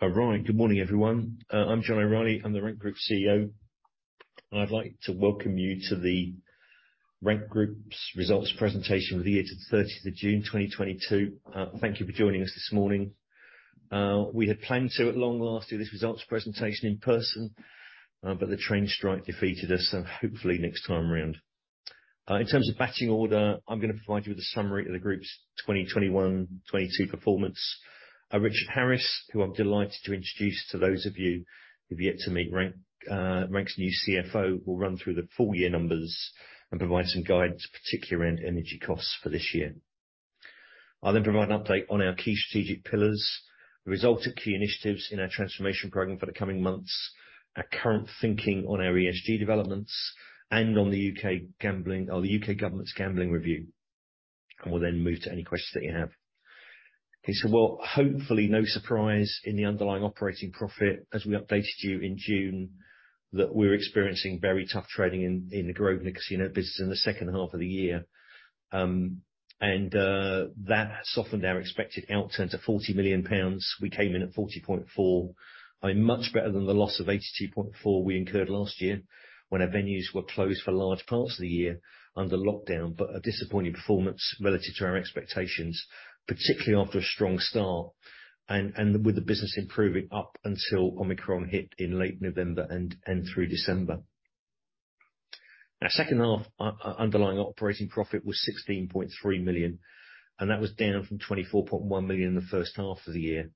All right. Good morning, everyone. I'm John O'Reilly, I'm the Rank Group CEO. I'd like to welcome you to the Rank Group's results presentation for the year to the 30th of June, 2022. Thank you for joining us this morning. We had planned to, at long last, do this results presentation in person, but the train strike defeated us, so hopefully next time around. In terms of batting order, I'm gonna provide you with a summary of the group's 2021-2022 performance. Richard Harris, who I'm delighted to introduce to those of you who've yet to meet him, Rank's new CFO, will run through the full year numbers and provide some guidance, particularly around energy costs for this year. I'll then provide an update on our key strategic pillars, the result of key initiatives in our transformation program for the coming months, our current thinking on our ESG developments and on the U.K. gambling or the U.K. government's gambling review. We'll then move to any questions that you have. Okay. Well, hopefully no surprise in the underlying operating profit as we updated you in June, that we're experiencing very tough trading in the Grosvenor Casinos business in the second half of the year. That softened our expected outturn to 40 million pounds. We came in at 40.4 million. I mean, much better than the loss of 82.4 million we incurred last year when our venues were closed for large parts of the year under lockdown. A disappointing performance relative to our expectations, particularly after a strong start and with the business improving up until Omicron hit in late November and through December. Our second half underlying operating profit was 16.3 million, and that was down from 24.1 million in the first half of the year.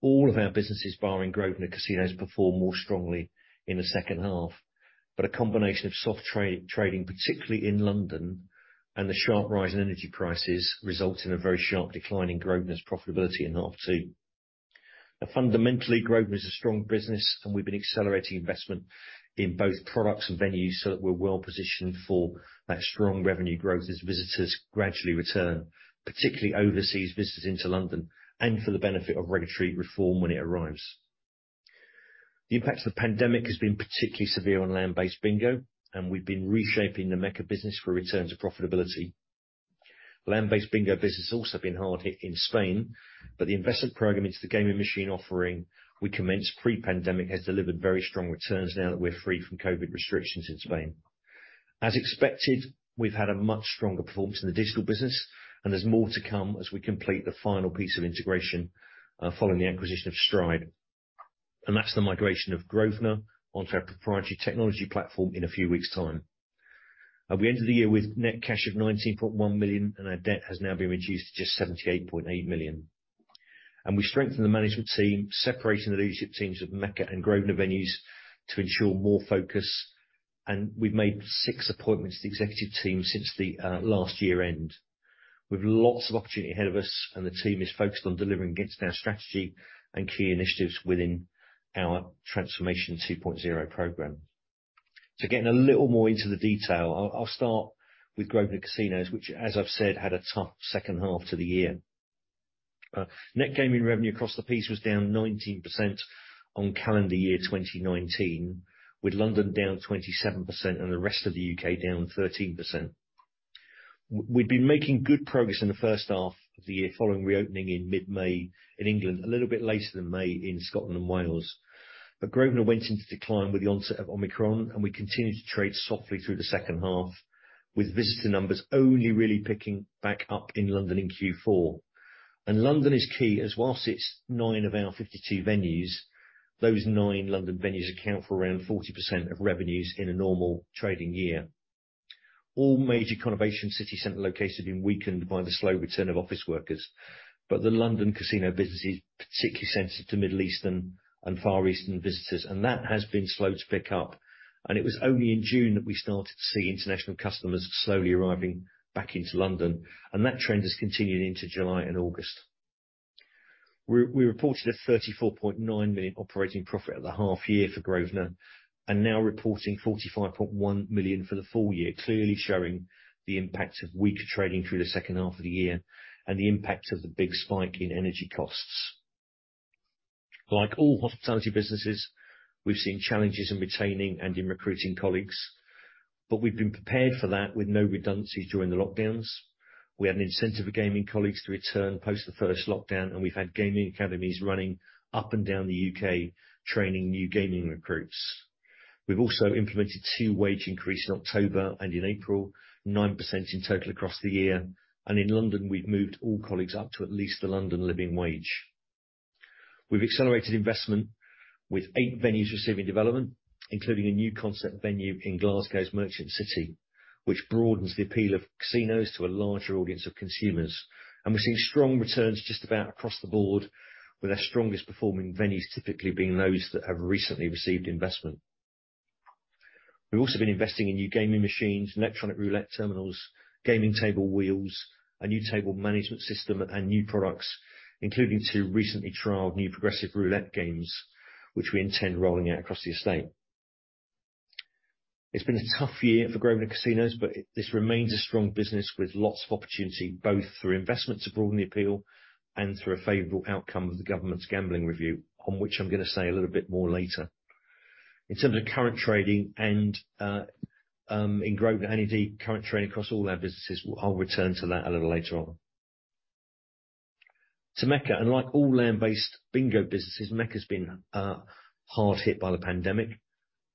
All of our businesses, barring Grosvenor Casinos, performed more strongly in the second half. A combination of soft trading, particularly in London, and the sharp rise in energy prices result in a very sharp decline in Grosvenor's profitability in half two. Now, fundamentally, Grosvenor is a strong business, and we've been accelerating investment in both products and venues so that we're well positioned for that strong revenue growth as visitors gradually return, particularly overseas visitors into London, and for the benefit of regulatory reform when it arrives. The impact of the pandemic has been particularly severe on land-based bingo, and we've been reshaping the Mecca business for a return to profitability. Land-based bingo business has also been hard hit in Spain, but the investment program into the gaming machine offering we commenced pre-pandemic has delivered very strong returns now that we're free from COVID restrictions in Spain. As expected, we've had a much stronger performance in the digital business, and there's more to come as we complete the final piece of integration following the acquisition of Stride. That's the migration of Grosvenor onto our proprietary technology platform in a few weeks' time. We ended the year with net cash of 19.1 million, and our debt has now been reduced to just 78.8 million. We strengthened the management team, separating the leadership teams of Mecca and Grosvenor venues to ensure more focus. We've made six appointments to the executive team since the last year end. We've lots of opportunity ahead of us, and the team is focused on delivering against our strategy and key initiatives within our Transformation 2.0 program. To get a little more into the detail, I'll start with Grosvenor Casinos, which, as I've said, had a tough second half to the year. Net gaming revenue across the piece was down 19% on calendar year 2019, with London down 27% and the rest of the U.K. down 13%. We'd been making good progress in the first half of the year following reopening in mid-May in England, a little bit later than May in Scotland and Wales. Grosvenor went into decline with the onset of Omicron, and we continued to trade softly through the second half, with visitor numbers only really picking back up in London in Q4. London is key as while it's nine of our 52 venues, those nine London venues account for around 40% of revenues in a normal trading year. All major conurbation city-center locations have been weakened by the slow return of office workers. The London casino business is particularly sensitive to Middle Eastern and Far Eastern visitors, and that has been slow to pick up. It was only in June that we started to see international customers slowly arriving back into London, and that trend has continued into July and August. We reported a 34.9 million operating profit at the half year for Grosvenor and now reporting 45.1 million for the full year, clearly showing the impact of weaker trading through the second half of the year and the impact of the big spike in energy costs. Like all hospitality businesses, we've seen challenges in retaining and in recruiting colleagues, but we've been prepared for that with no redundancies during the lockdowns. We had an incentive for gaming colleagues to return post the first lockdown, and we've had gaming academies running up and down the U.K., training new gaming recruits. We've also implemented two wage increase in October and in April, 9% in total across the year. In London, we've moved all colleagues up to at least the London Living Wage. We've accelerated investment with eight venues receiving development, including a new concept venue in Glasgow's Merchant City, which broadens the appeal of casinos to a larger audience of consumers. We're seeing strong returns just about across the board, with our strongest performing venues typically being those that have recently received investment. We've also been investing in new gaming machines, electronic roulette terminals, gaming table wheels, a new table management system and new products, including two recently trialed new progressive roulette games, which we intend rolling out across the estate. It's been a tough year for Grosvenor Casinos, but this remains a strong business with lots of opportunity, both through investment to broaden the appeal and through a favorable outcome of the government's gambling review, on which I'm gonna say a little bit more later. In terms of current trading and in Grosvenor, indeed current trading across all our businesses. I'll return to that a little later on. To Mecca, like all land-based bingo businesses, Mecca's been hard hit by the pandemic.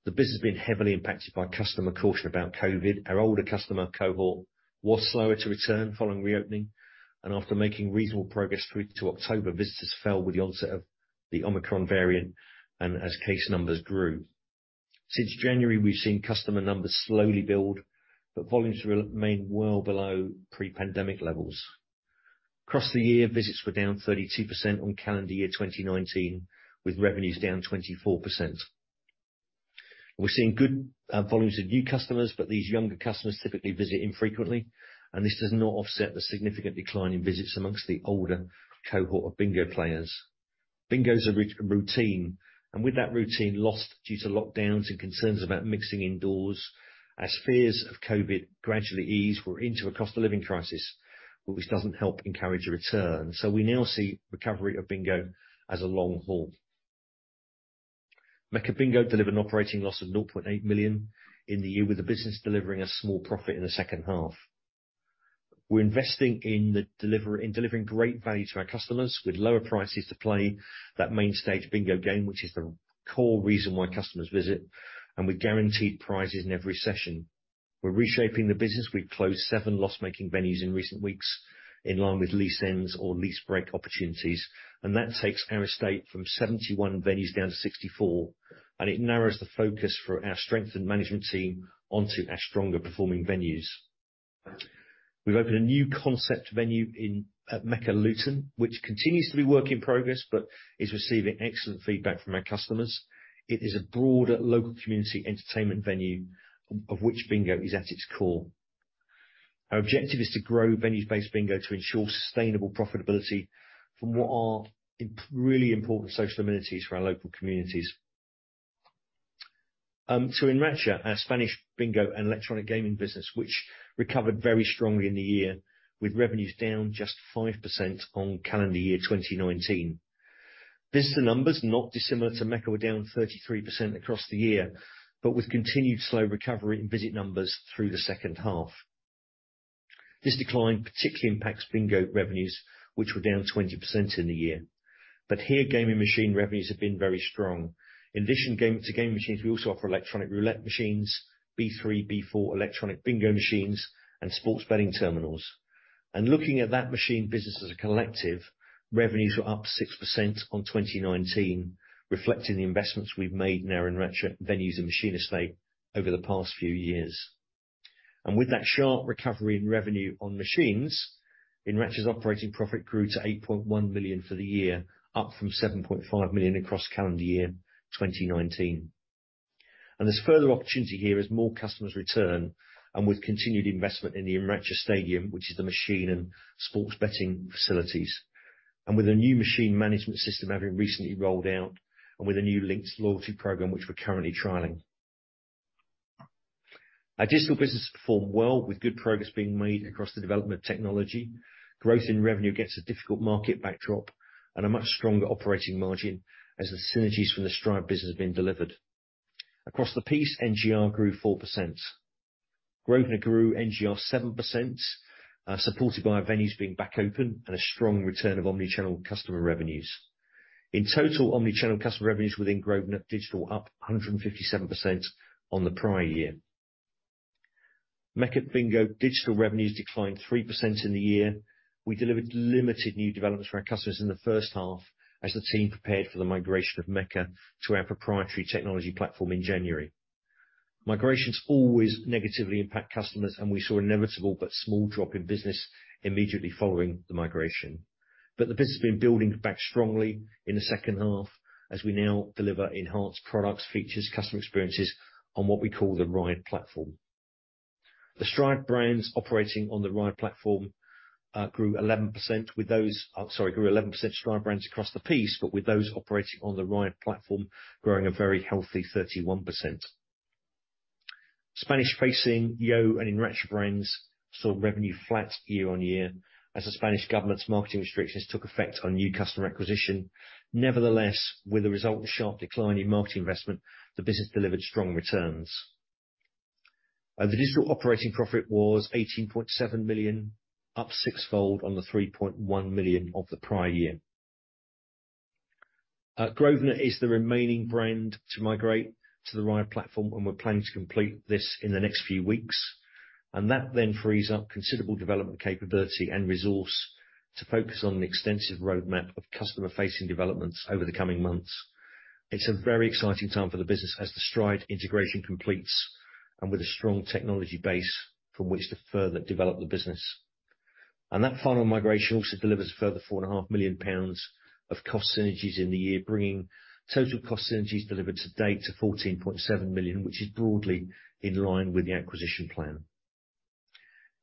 The business has been heavily impacted by customer caution about COVID. Our older customer cohort was slower to return following reopening, and after making reasonable progress through to October, visitors fell with the onset of the Omicron variant and as case numbers grew. Since January, we've seen customer numbers slowly build, but volumes remain well below pre-pandemic levels. Across the year, visits were down 32% on calendar year 2019, with revenues down 24%. We're seeing good volumes of new customers, but these younger customers typically visit infrequently, and this does not offset the significant decline in visits among the older cohort of bingo players. Bingo's a routine, and with that routine lost due to lockdowns and concerns about mixing indoors, as fears of COVID gradually ease, we're into a cost of living crisis, which doesn't help encourage a return. We now see recovery of bingo as a long haul. Mecca Bingo delivered an operating loss of 0.8 million in the year, with the business delivering a small profit in the second half. We're investing in delivering great value to our customers with lower prices to play that main stage bingo game, which is the core reason why customers visit, and with guaranteed prizes in every session. We're reshaping the business. We've closed seven loss-making venues in recent weeks, in line with lease ends or lease break opportunities, and that takes our estate from 71 venues down to 64, and it narrows the focus for our strengthened management team onto our stronger performing venues. We've opened a new concept venue in at Mecca Luton, which continues to be work in progress, but is receiving excellent feedback from our customers. It is a broader local community entertainment venue of which bingo is at its core. Our objective is to grow venues-based bingo to ensure sustainable profitability from what are really important social amenities for our local communities. Enracha, our Spanish bingo and electronic gaming business, which recovered very strongly in the year, with revenues down just 5% on calendar year 2019. Visitor numbers, not dissimilar to Mecca, were down 33% across the year, but with continued slow recovery in visit numbers through the second half. This decline particularly impacts bingo revenues, which were down 20% in the year. Here, gaming machine revenues have been very strong. In addition to gaming machines, we also offer electronic roulette machines, B3, B4 electronic bingo machines, and sports betting terminals. Looking at that machine business as a collective, revenues were up 6% on 2019, reflecting the investments we've made in our Enracha venues and machine estate over the past few years. With that sharp recovery in revenue on machines, Enracha's operating profit grew to 8.1 million for the year, up from 7.5 million across calendar year 2019. There's further opportunity here as more customers return and with continued investment in the Enracha stadium, which is the machine and sports betting facilities, and with a new machine management system having recently rolled out, and with a new links loyalty program, which we're currently trialing. Our digital business performed well, with good progress being made across the development of technology. Growth in revenue against a difficult market backdrop and a much stronger operating margin as the synergies from the Stride business have been delivered. Across the piece, NGR grew 4%. Grosvenor grew NGR 7%, supported by our venues being back open and a strong return of omnichannel customer revenues. In total, omnichannel customer revenues within Grosvenor Digital up 157% on the prior year. Mecca Bingo digital revenues declined 3% in the year. We delivered limited new developments for our customers in the first half as the team prepared for the migration of Mecca to our proprietary technology platform in January. Migrations always negatively impact customers, and we saw inevitable but small drop in business immediately following the migration. The business has been building back strongly in the second half as we now deliver enhanced products, features, customer experiences on what we call the RIO platform. The Stride brands operating on the RIO platform grew 11% Stride brands across the piece, but with those operating on the RIO platform growing a very healthy 31%. Spanish-facing Yo and Enracha brands saw revenue flat year on year as the Spanish government's marketing restrictions took effect on new customer acquisition. Nevertheless, with the result of the sharp decline in marketing investment, the business delivered strong returns. The digital operating profit was 18.7 million, up six-fold on the 3.1 million of the prior year. Grosvenor is the remaining brand to migrate to the RIO platform, and we're planning to complete this in the next few weeks. That then frees up considerable development capability and resource to focus on the extensive roadmap of customer-facing developments over the coming months. It's a very exciting time for the business as the Stride integration completes and with a strong technology base from which to further develop the business. That final migration also delivers a further 4.5 million pounds of cost synergies in the year, bringing total cost synergies delivered to date to 14.7 million, which is broadly in line with the acquisition plan.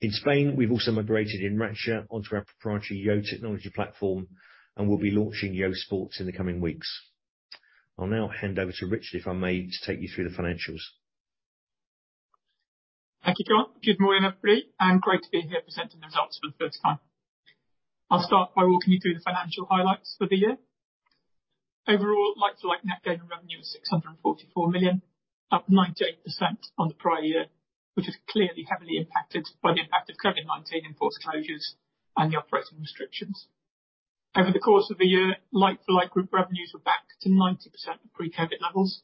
In Spain, we've also migrated Enracha onto our proprietary Yo technology platform, and we'll be launching Yo Sports in the coming weeks. I'll now hand over to Richard, if I may, to take you through the financials. Thank you, John. Good morning, everybody, and great to be here presenting the results for the first time. I'll start by walking you through the financial highlights for the year. Overall, like-for-like net gaming revenue was 644 million, up 98% on the prior year, which is clearly heavily impacted by the impact of COVID-19 enforced closures and the operating restrictions. Over the course of the year, like-for-like group revenues were back to 90% of pre-COVID levels,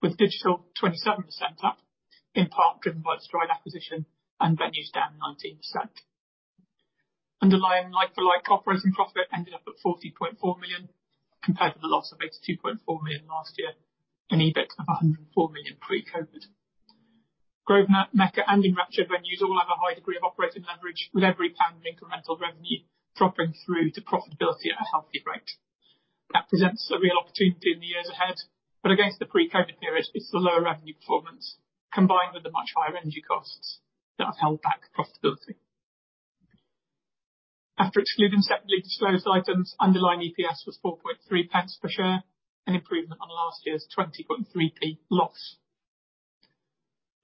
with digital 27% up, in part driven by the Stride acquisition, and venues down 19%. Underlying like-for-like operating profit ended up at 40.4 million compared to the loss of 82.4 million last year, and EBIT of 104 million pre-COVID. Grosvenor, Mecca, and Enracha venues all have a high degree of operating leverage, with every pound of incremental revenue dropping through to profitability at a healthy rate. That presents a real opportunity in the years ahead, but against the pre-COVID period, it's the lower revenue performance combined with the much higher energy costs that have held back profitability. After excluding separately disclosed items, underlying EPS was 4.3 pence per share, an improvement on last year's 20.3p loss.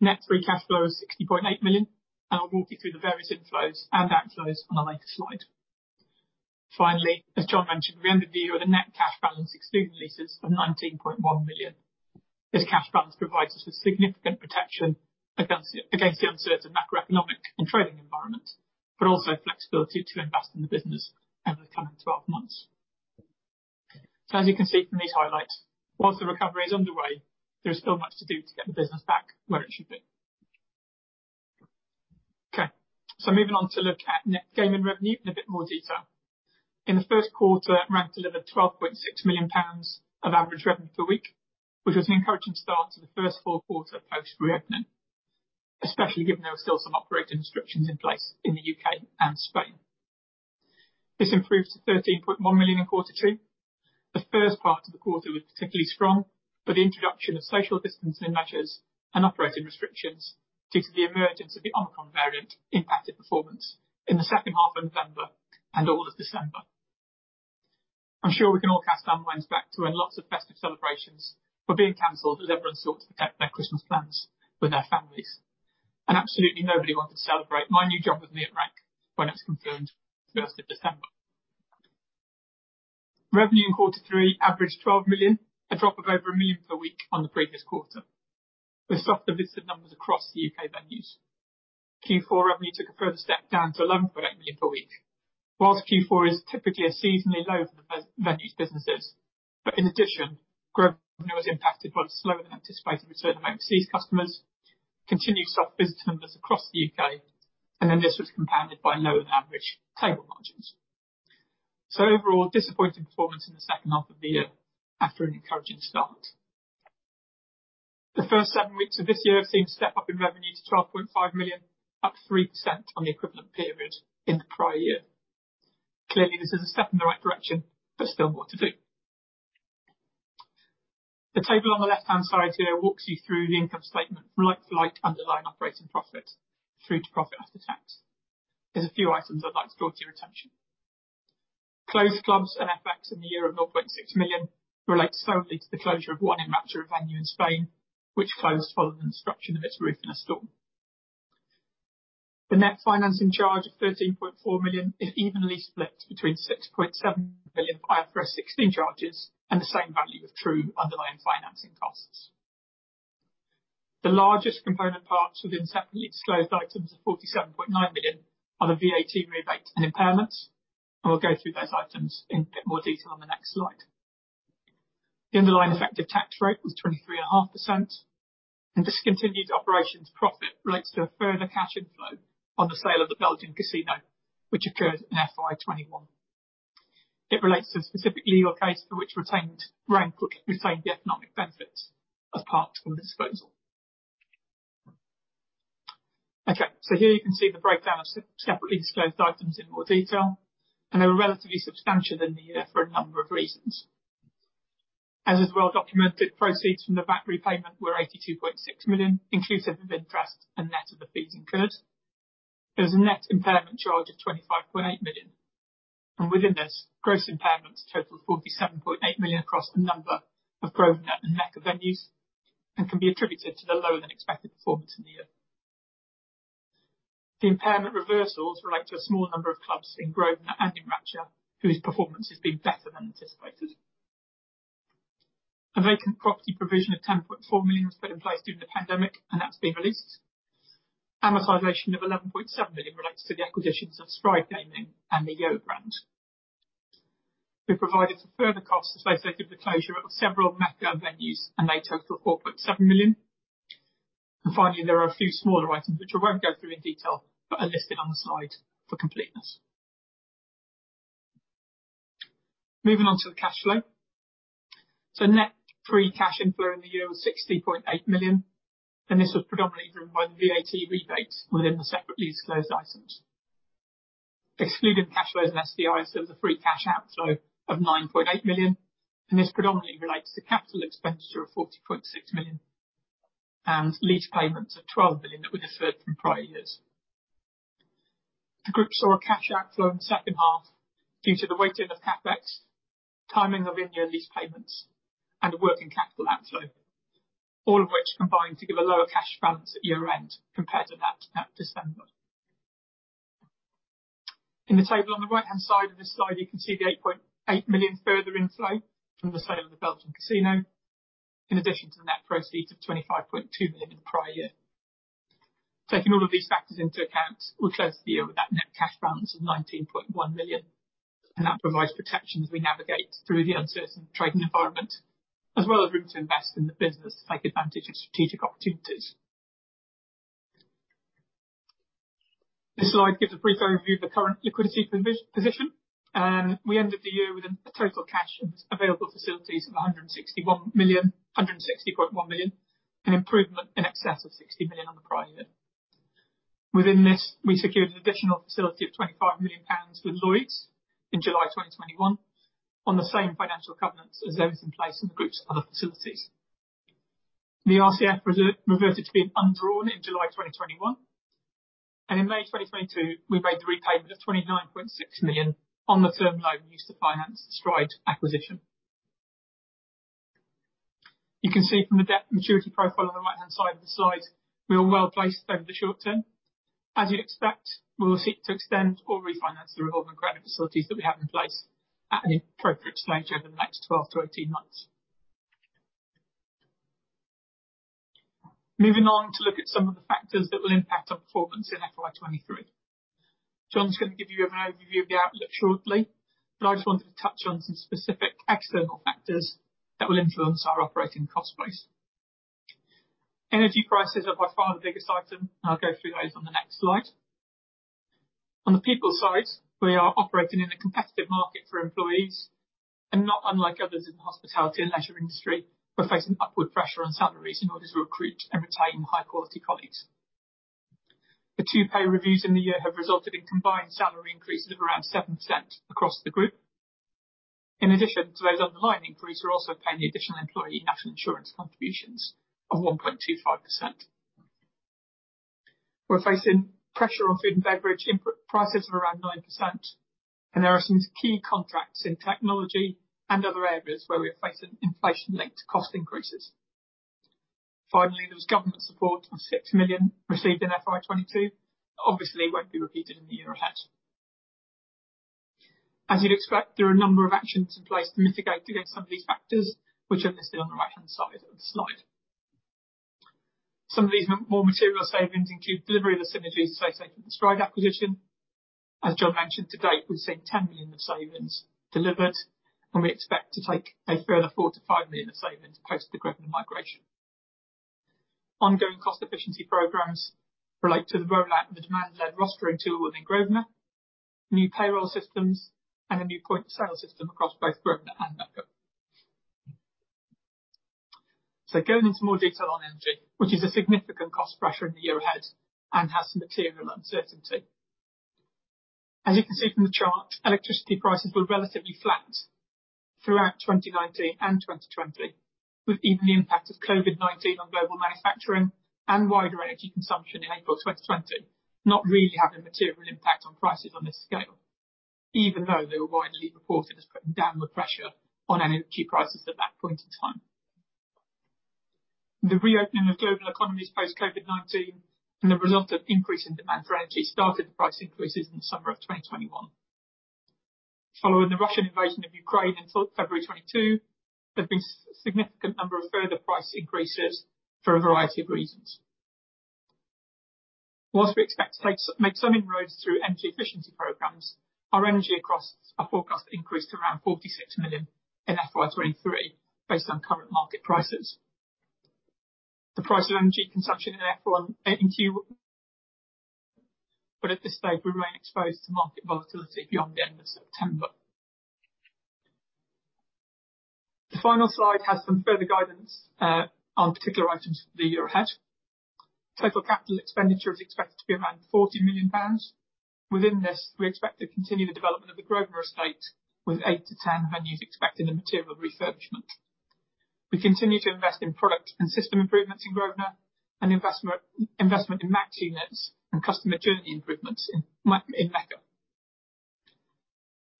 Net free cash flow is 60.8 million. I'll walk you through the various inflows and outflows on a later slide. Finally, as John mentioned, we end the year with a net cash balance excluding leases of 19.1 million. This cash balance provides us with significant protection against the uncertain macroeconomic and trading environment, but also flexibility to invest in the business over the coming 12 months. As you can see from these highlights, while the recovery is underway, there is still much to do to get the business back where it should be. Okay, moving on to look at net gaming revenue in a bit more detail. In the first quarter, Rank delivered 12.6 million pounds of average revenue per week, which was an encouraging start to the first full quarter post-reopening, especially given there were still some operating restrictions in place in the U.K. and Spain. This improved to 13.1 million in quarter two. The first part of the quarter was particularly strong, but the introduction of social distancing measures and operating restrictions due to the emergence of the Omicron variant impacted performance in the second half of November and all of December. I'm sure we can all cast our minds back to when lots of festive celebrations were being canceled as everyone sought to protect their Christmas plans with their families. Absolutely nobody wanted to celebrate my new job with me at Rank when it was confirmed the first of December. Revenue in quarter three averaged 12 million, a drop of over 1 million per week on the previous quarter, with softer visitor numbers across the U.K. venues. Q4 revenue took a further step down to 11.8 million per week. Whilst Q4 is typically a seasonally low for the venues businesses, but in addition, revenue was impacted by slower than anticipated return of overseas customers, continued soft visitor numbers across the U.K., and then this was compounded by lower than average table margins. Overall, disappointing performance in the second half of the year after an encouraging start. The first seven weeks of this year have seen a step-up in revenue to 12.5 million, up 3% on the equivalent period in the prior year. Clearly, this is a step in the right direction, but still more to do. The table on the left-hand side here walks you through the income statement from like-for-like underlying operating profit through to profit after tax. There's a few items I'd like to draw to your attention. Closed clubs and FX in the year of 0.6 million relates solely to the closure of one Enracha venue in Spain, which closed following the destruction of its roof in a storm. The net financing charge of 13.4 million is evenly split between 6.7 million IFRS 16 charges and the same value of true underlying financing costs. The largest component parts within separately disclosed items of 47.9 million are the VAT rebate and impairments, and we'll go through those items in a bit more detail on the next slide. The underlying effective tax rate was 23.5%, and discontinued operations profit relates to a further cash inflow on the sale of the Belgian casino, which occurred in FY 2021. It relates to a specific legal case for which Retained Rank could retain the economic benefits as part of the disposal. Okay, here you can see the breakdown of separately disclosed items in more detail, and they were relatively substantial in the year for a number of reasons. As is well documented, proceeds from the VAT repayment were 82.6 million, inclusive of interest and net of the fees incurred. There was a net impairment charge of 25.8 million, and within this, gross impairments total 47.8 million across a number of Grosvenor and Mecca venues and can be attributed to the lower than expected performance in the year. The impairment reversals relate to a small number of clubs in Grosvenor and Enracha, whose performance has been better than anticipated. A vacant property provision of 10.4 million was put in place during the pandemic, and that's been released. Amortization of 11.7 million relates to the acquisitions of Stride Gaming and the Yo brand. We provided for further costs associated with the closure of several Mecca venues, and they total 4.7 million. Finally, there are a few smaller items which I won't go through in detail, but are listed on the slide for completeness. Moving on to the cash flow. Net free cash inflow in the year was 60.8 million, and this was predominantly driven by the VAT rebates within the separately disclosed items. Excluding cash flows and SDIs, there was a free cash outflow of 9.8 million, and this predominantly relates to capital expenditure of 40.6 million and lease payments of 12 million that were deferred from prior years. The group saw a cash outflow in the second half due to the weighting of CapEx, timing of in-year lease payments, and working capital outflow, all of which combined to give a lower cash balance at year-end compared to that at December. In the table on the right-hand side of this slide, you can see the 8.8 million further inflow from the sale of the Belgian casino, in addition to the net proceeds of 25.2 million in the prior year. Taking all of these factors into account, we closed the year with that net cash balance of 19.1 million, and that provides protection as we navigate through the uncertain trading environment, as well as room to invest in the business to take advantage of strategic opportunities. This slide gives a brief overview of the current liquidity position. We ended the year with a total cash and available facilities of 160.1 million, an improvement in excess of 60 million on the prior year. Within this, we secured an additional facility of 25 million pounds with Lloyds Bank in July 2021 on the same financial covenants as those in place in the group's other facilities. The RCF reverted to being undrawn in July 2021, and in May 2022, we made the repayment of 29.6 million on the term loan used to finance the Stride acquisition. You can see from the debt maturity profile on the right-hand side of the slide, we are well-placed over the short term. As you'd expect, we will seek to extend or refinance the revolving credit facilities that we have in place at an appropriate stage over the next 12-18 months. Moving on to look at some of the factors that will impact our performance in FY23. John's gonna give you an overview of the outlook shortly, but I just wanted to touch on some specific external factors that will influence our operating cost base. Energy prices are by far the biggest item, and I'll go through those on the next slide. On the people side, we are operating in a competitive market for employees, and not unlike others in the hospitality and leisure industry, we're facing upward pressure on salaries in order to recruit and retain high-quality colleagues. The two pay reviews in the year have resulted in combined salary increases of around 7% across the group. In addition to those underlying increases, we're also paying the additional employee national insurance contributions of 1.25%. We're facing pressure on food and beverage input prices of around 9%, and there are some key contracts in technology and other areas where we are facing inflation-linked cost increases. Finally, there was government support of 6 million received in FY22. That obviously won't be repeated in the year ahead. As you'd expect, there are a number of actions in place to mitigate against some of these factors, which are listed on the right-hand side of the slide. Some of these more material savings include delivery of the synergies to, say, from Stride acquisition. As John mentioned, to date, we've seen 10 million of savings delivered, and we expect to take a further 4 million-5 million of savings post the Grosvenor migration. Ongoing cost-efficiency programs relate to the rollout of the demand-led rostering tool within Grosvenor, new payroll systems, and a new point-of-sale system across both Grosvenor and Mecca. Going into more detail on energy, which is a significant cost pressure in the year ahead and has some material uncertainty. As you can see from the chart, electricity prices were relatively flat throughout 2019 and 2020, with even the impact of COVID-19 on global manufacturing and wider energy consumption in April 2020 not really having a material impact on prices on this scale, even though they were widely reported as putting downward pressure on energy prices at that point in time. The reopening of global economies post COVID-19 and the resultant increase in demand for energy started the price increases in the summer of 2021. Following the Russian invasion of Ukraine until February 2022, there have been significant number of further price increases for a variety of reasons. While we expect to make some inroads through energy efficiency programs, our energy costs are forecast to increase to around 46 million in FY23 based on current market prices. The price of energy consumption in FY18 Q, but at this stage, we remain exposed to market volatility beyond the end of September. The final slide has some further guidance on particular items for the year ahead. Total capital expenditure is expected to be around 40 million pounds. Within this, we expect to continue the development of the Grosvenor estate with 8-10 venues expecting a material refurbishment. We continue to invest in product and system improvements in Grosvenor and investment in Mecca units and customer journey improvements in Mecca.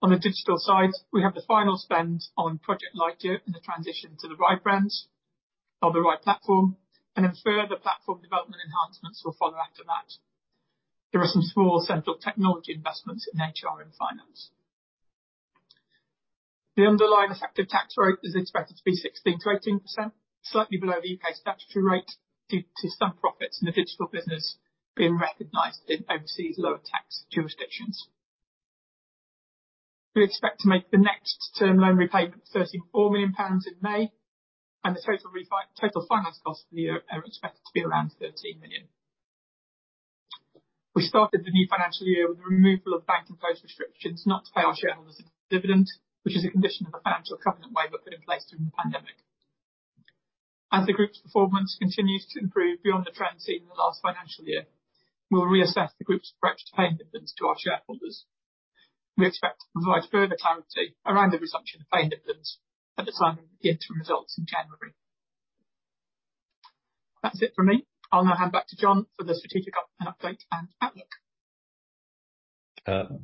On the digital side, we have the final spend on Project Lightyear and the transition to the RIDE brands on the RIDE platform, and then further platform development enhancements will follow after that. There are some small central technology investments in HR and finance. The underlying effective tax rate is expected to be 16%-18%, slightly below the U.K. statutory rate due to some profits in the digital business being recognized in overseas lower tax jurisdictions. We expect to make the next term loan repayment of 34 million pounds in May, and the total finance costs for the year are expected to be around 13 million. We started the new financial year with the removal of bank and trade restrictions not to pay our shareholders a dividend, which is a condition of the financial covenant waiver put in place during the pandemic. As the group's performance continues to improve beyond the trend seen in the last financial year, we'll reassess the group's approach to paying dividends to our shareholders. We expect to provide further clarity around the resumption of paying dividends at the time of the interim results in January. That's it for me. I'll now hand back to John for the strategic update and outlook.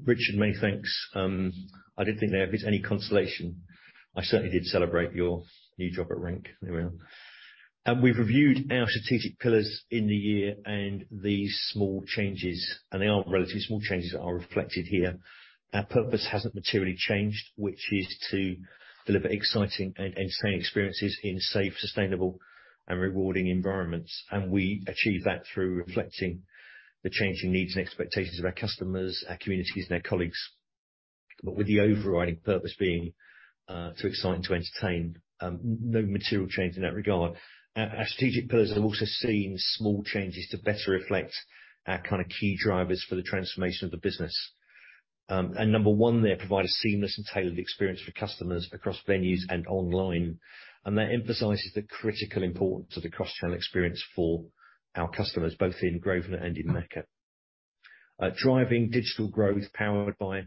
Richard, many thanks. I did think there, if it's any consolation, I certainly did celebrate your new job at Rank. Anyway. We've reviewed our strategic pillars in the year, and these small changes, and they are relatively small changes that are reflected here. Our purpose hasn't materially changed, which is to deliver exciting and entertaining experiences in safe, sustainable, and rewarding environments. We achieve that through reflecting the changing needs and expectations of our customers, our communities, and our colleagues. With the overriding purpose being to excite and to entertain, no material change in that regard. Our strategic pillars have also seen small changes to better reflect our kinda key drivers for the transformation of the business. Number one there, provide a seamless and tailored experience for customers across venues and online. That emphasizes the critical importance of the cross-channel experience for our customers, both in Grosvenor and in Mecca. Driving digital growth powered by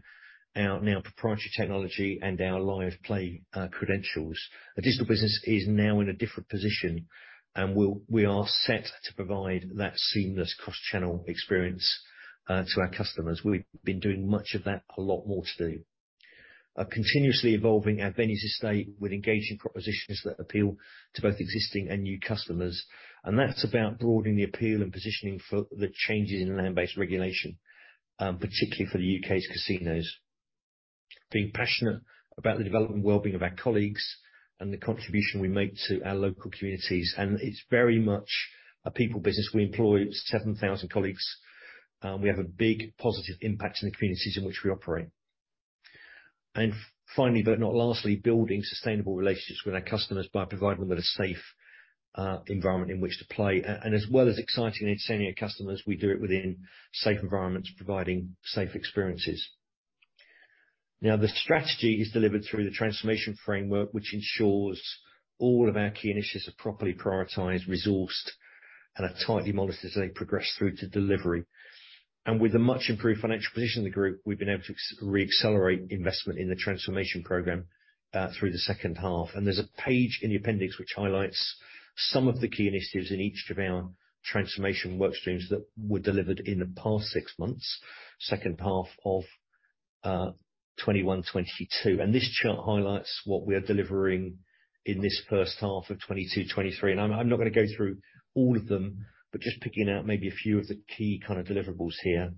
our now proprietary technology and our live play credentials. The digital business is now in a different position, and we are set to provide that seamless cross-channel experience to our customers. We've been doing much of that, a lot more to do. Continuously evolving our venues estate with engaging propositions that appeal to both existing and new customers. That's about broadening the appeal and positioning for the changes in land-based regulation, particularly for the U.K.'s casinos. Being passionate about the development and wellbeing of our colleagues and the contribution we make to our local communities. It's very much a people business. We employ 7,000 colleagues. We have a big positive impact in the communities in which we operate. Finally, but not lastly, building sustainable relationships with our customers by providing them with a safe environment in which to play. As well as exciting and entertaining our customers, we do it within safe environments, providing safe experiences. Now, the strategy is delivered through the transformation framework, which ensures all of our key initiatives are properly prioritized, resourced, and are tightly monitored as they progress through to delivery. With the much improved financial position of the group, we've been able to reaccelerate investment in the transformation program through the second half. There's a page in the appendix which highlights some of the key initiatives in each of our transformation work streams that were delivered in the past six months, second half of 2021-2022. This chart highlights what we are delivering in this first half of 2022, 2023. I'm not gonna go through all of them, but just picking out maybe a few of the key kind of deliverables here.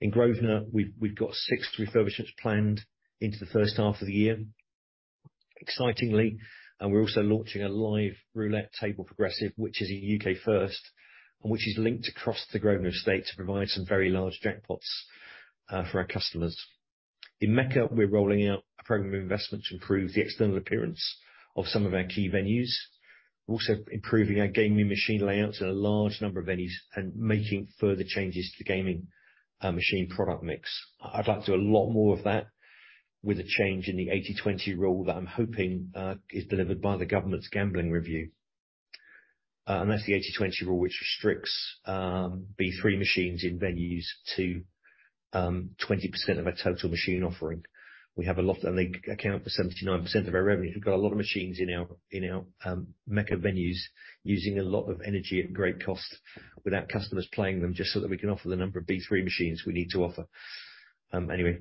In Grosvenor, we've got six refurbishments planned into the first half of the year. Excitingly, we're also launching a live roulette table progressive, which is a U.K. first, and which is linked across the Grosvenor estate to provide some very large jackpots for our customers. In Mecca, we're rolling out a program of investment to improve the external appearance of some of our key venues. We're also improving our gaming machine layouts in a large number of venues and making further changes to the gaming machine product mix. I'd like to do a lot more of that with a change in the 80/20 rule that I'm hoping is delivered by the government's gambling review. That's the 80/20 rule which restricts B3 machines in venues to 20% of our total machine offering. We have a lot, and they account for 79% of our revenue. We've got a lot of machines in our Mecca venues using a lot of energy at great cost without customers playing them, just so that we can offer the number of B3 machines we need to offer. Anyway,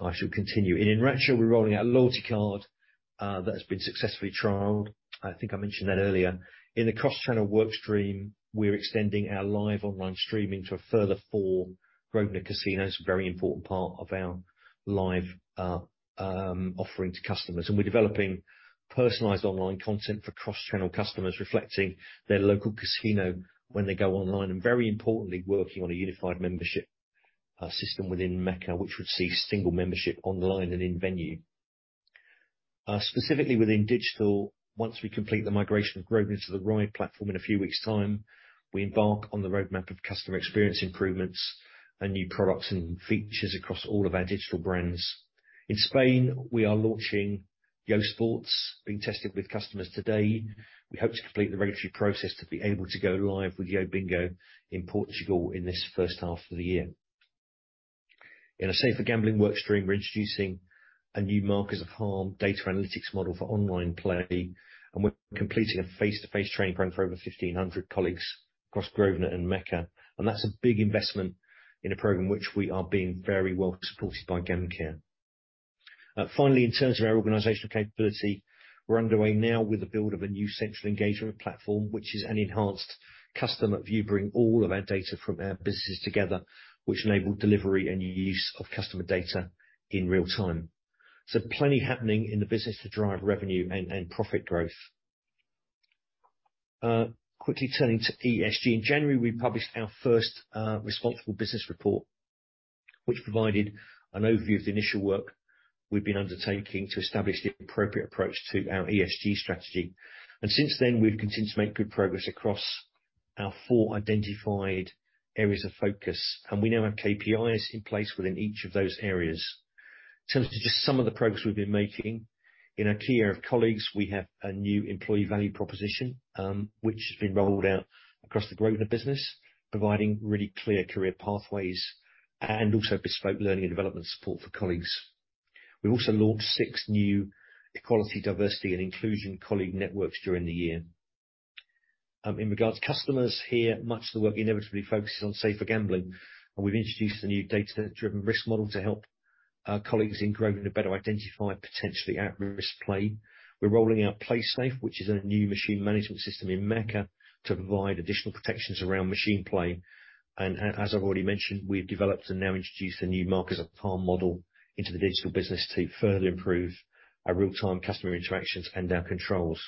I shall continue. In Enracha, we're rolling out a loyalty card that has been successfully trialed. I think I mentioned that earlier. In the cross-channel work stream, we're extending our live online streaming to a further four Grosvenor Casinos, a very important part of our live offering to customers. We're developing personalized online content for cross-channel customers, reflecting their local casino when they go online. Very importantly, working on a unified membership system within Mecca, which receives single membership online and in venue. Specifically within digital, once we complete the migration of Grosvenor to the RIO platform in a few weeks' time, we embark on the roadmap of customer experience improvements and new products and features across all of our digital brands. In Spain, we are launching Yo Sports, being tested with customers today. We hope to complete the regulatory process to be able to go live with YoBingo in Portugal in this first half of the year. In our safer gambling work stream, we're introducing a new markers of harm data analytics model for online play, and we're completing a face-to-face training program for over 1,500 colleagues across Grosvenor and Mecca. That's a big investment in a program which we are being very well supported by GamCare. Finally, in terms of our organizational capability, we're underway now with the build of a new central engagement platform, which is an enhanced customer view, bringing all of our data from our businesses together, which enable delivery and use of customer data in real time. Plenty happening in the business to drive revenue and profit growth. Quickly turning to ESG. In January, we published our first responsible business report, which provided an overview of the initial work we've been undertaking to establish the appropriate approach to our ESG strategy. Since then, we've continued to make good progress across our four identified areas of focus, and we now have KPIs in place within each of those areas. In terms of just some of the progress we've been making, in our care of colleagues, we have a new employee value proposition, which has been rolled out across the Grosvenor business, providing really clear career pathways and also bespoke learning and development support for colleagues. We also launched six new equality, diversity, and inclusion colleague networks during the year. In regards to customers here, much of the work inevitably focuses on safer gambling, and we've introduced a new data-driven risk model to help our colleagues in Grosvenor better identify potentially at-risk play. We're rolling out Playsafe, which is a new machine management system in Mecca, to provide additional protections around machine play. As I've already mentioned, we've developed and now introduced the new markers of harm model into the digital business to further improve our real-time customer interactions and our controls.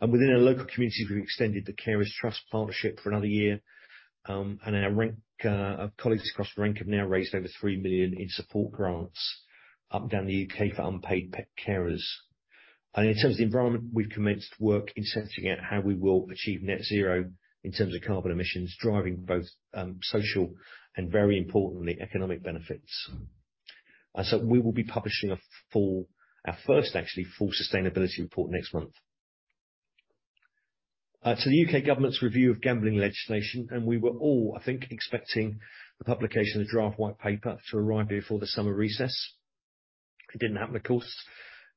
Within our local communities, we've extended the Carers Trust partnership for another year. Our Rank Group colleagues across Rank Group have now raised over 3 million in support grants up and down the U.K. for unpaid carers. In terms of the environment, we've commenced work in setting out how we will achieve net zero in terms of carbon emissions, driving both social and, very importantly, economic benefits. We will be publishing our first full sustainability report next month. To the U.K. government's review of gambling legislation, we were all, I think, expecting the publication of the draft white paper to arrive before the summer recess. It didn't happen, of course,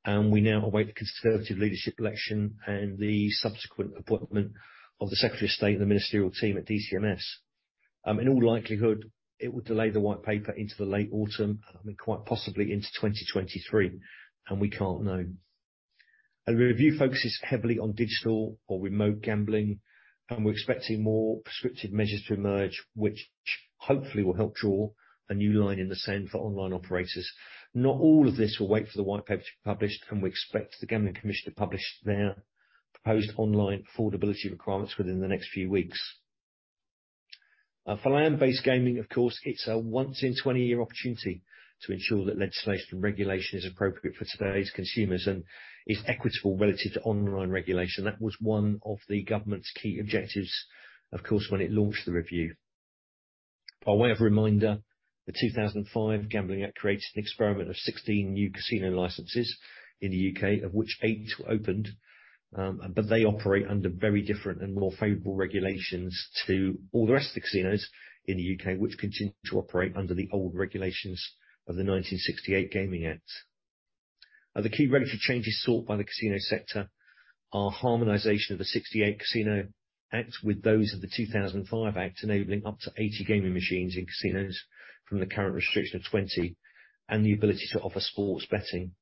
and we now await the Conservative leadership election and the subsequent appointment of the Secretary of State and the ministerial team at DCMS. In all likelihood, it would delay the white paper into the late autumn, and quite possibly into 2023, and we can't know. A review focuses heavily on digital or remote gambling, and we're expecting more prescriptive measures to emerge, which hopefully will help draw a new line in the sand for online operators. Not all of this will wait for the white paper to be published, and we expect the Gambling Commission to publish their proposed online affordability requirements within the next few weeks. For land-based gaming, of course, it's a once-in-a-20-year opportunity to ensure that legislation and regulation is appropriate for today's consumers and is equitable relative to online regulation. That was one of the government's key objectives, of course, when it launched the review. By way of reminder, the 2005 Gambling Act created an experiment of 16 new casino licenses in the U.K., of which eight were opened, but they operate under very different and more favorable regulations to all the rest of the casinos in the U.K., which continue to operate under the old regulations of the 1968 Gaming Act. The key regulatory changes sought by the casino sector are harmonization of the 1968 Gaming Act with those of the 2005 Act, enabling up to 80 gaming machines in casinos from the current restriction of 20 and the ability to offer sports betting.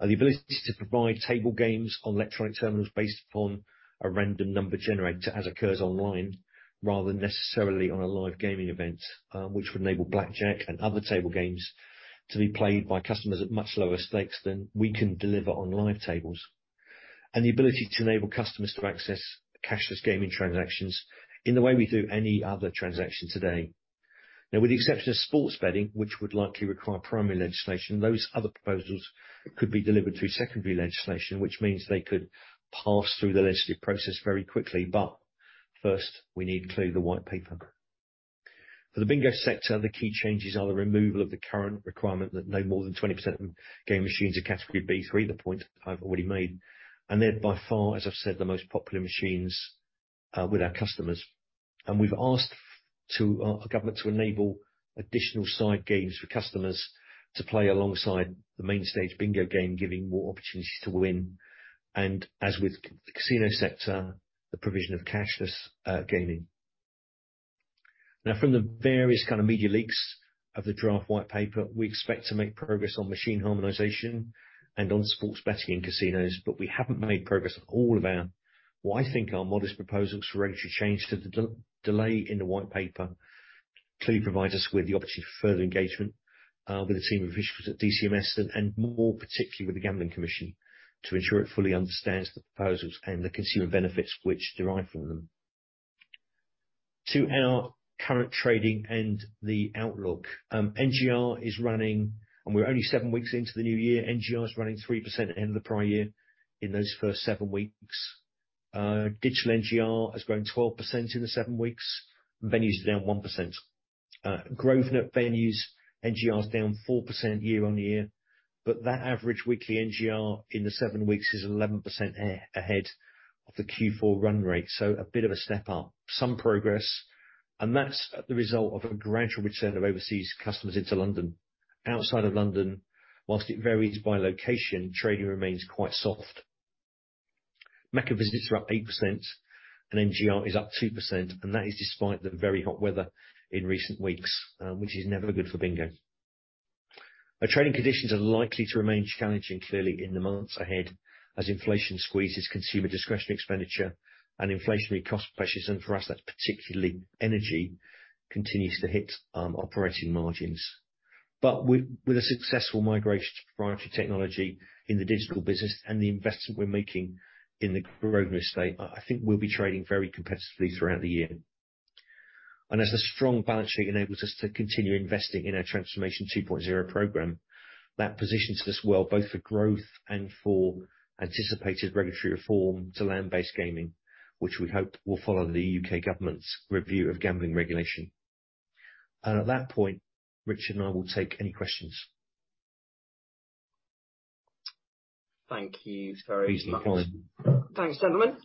The ability to provide table games on electronic terminals based upon a random number generator, as occurs online, rather than necessarily on a live gaming event, which would enable blackjack and other table games to be played by customers at much lower stakes than we can deliver on live tables. The ability to enable customers to access cashless gaming transactions in the way we do any other transaction today. Now, with the exception of sports betting, which would likely require primary legislation, those other proposals could be delivered through secondary legislation, which means they could pass through the legislative process very quickly. First, we need to clear the White Paper. For the bingo sector, the key changes are the removal of the current requirement that no more than 20% of gaming machines are category B3, the point I've already made. They're by far, as I've said, the most popular machines with our customers. We've asked the government to enable additional side games for customers to play alongside the main stage bingo game, giving more opportunities to win. As with casino sector, the provision of cashless gaming. Now from the various kind of media leaks of the draft white paper, we expect to make progress on machine harmonization and on sports betting in casinos, but we haven't made progress on all of our. Well, I think our modest proposals for regulatory change to the delay in the white paper clearly provide us with the opportunity for further engagement with a team of officials at DCMS and, more particularly, with the Gambling Commission to ensure it fully understands the proposals and the consumer benefits which derive from them. To our current trading and the outlook, NGR is running, and we're only seven weeks into the new year. NGR is running 3% ahead of the prior year in those first seven weeks. Digital NGR has grown 12% in the seven weeks. Venues are down 1%. Grosvenor venues, NGR is down 4% year-on-year, but that average weekly NGR in the seven weeks is 11% ahead of the Q4 run rate. A bit of a step up, some progress, and that's the result of a gradual return of overseas customers into London. Outside of London, while it varies by location, trading remains quite soft. Mecca visits are up 8% and NGR is up 2%, and that is despite the very hot weather in recent weeks, which is never good for bingo. Our trading conditions are likely to remain challenging clearly in the months ahead as inflation squeezes consumer discretionary expenditure and inflationary cost pressures, and for us that's particularly energy, continues to hit operating margins. With a successful migration to proprietary technology in the digital business and the investment we're making in the Grosvenor estate, I think we'll be trading very competitively throughout the year. As the strong balance sheet enables us to continue investing in our Transformation 2.0 program, that positions us well both for growth and for anticipated regulatory reform to land-based gaming, which we hope will follow the U.K. government's review of gambling regulation. At that point, Richard and I will take any questions. Thank you very much. Thanks, gentlemen.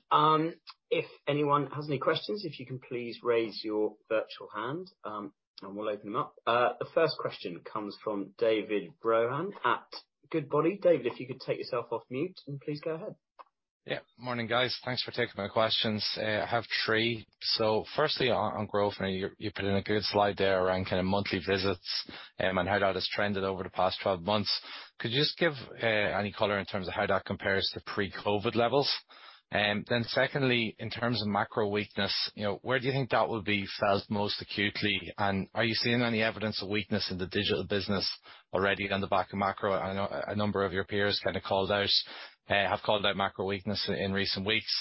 If anyone has any questions, if you can please raise your virtual hand, and we'll open them up. The first question comes from David Rowan at Goodbody. David, if you could take yourself off mute, and please go ahead. Morning, guys. Thanks for taking my questions. I have three. Firstly, on growth. Now, you put in a good slide there around kind of monthly visits, and how that has trended over the past 12 months. Could you just give any color in terms of how that compares to pre-COVID levels? Secondly, in terms of macro weakness, you know, where do you think that will be felt most acutely? And are you seeing any evidence of weakness in the digital business already on the back of macro? I know a number of your peers have called out macro weakness in recent weeks.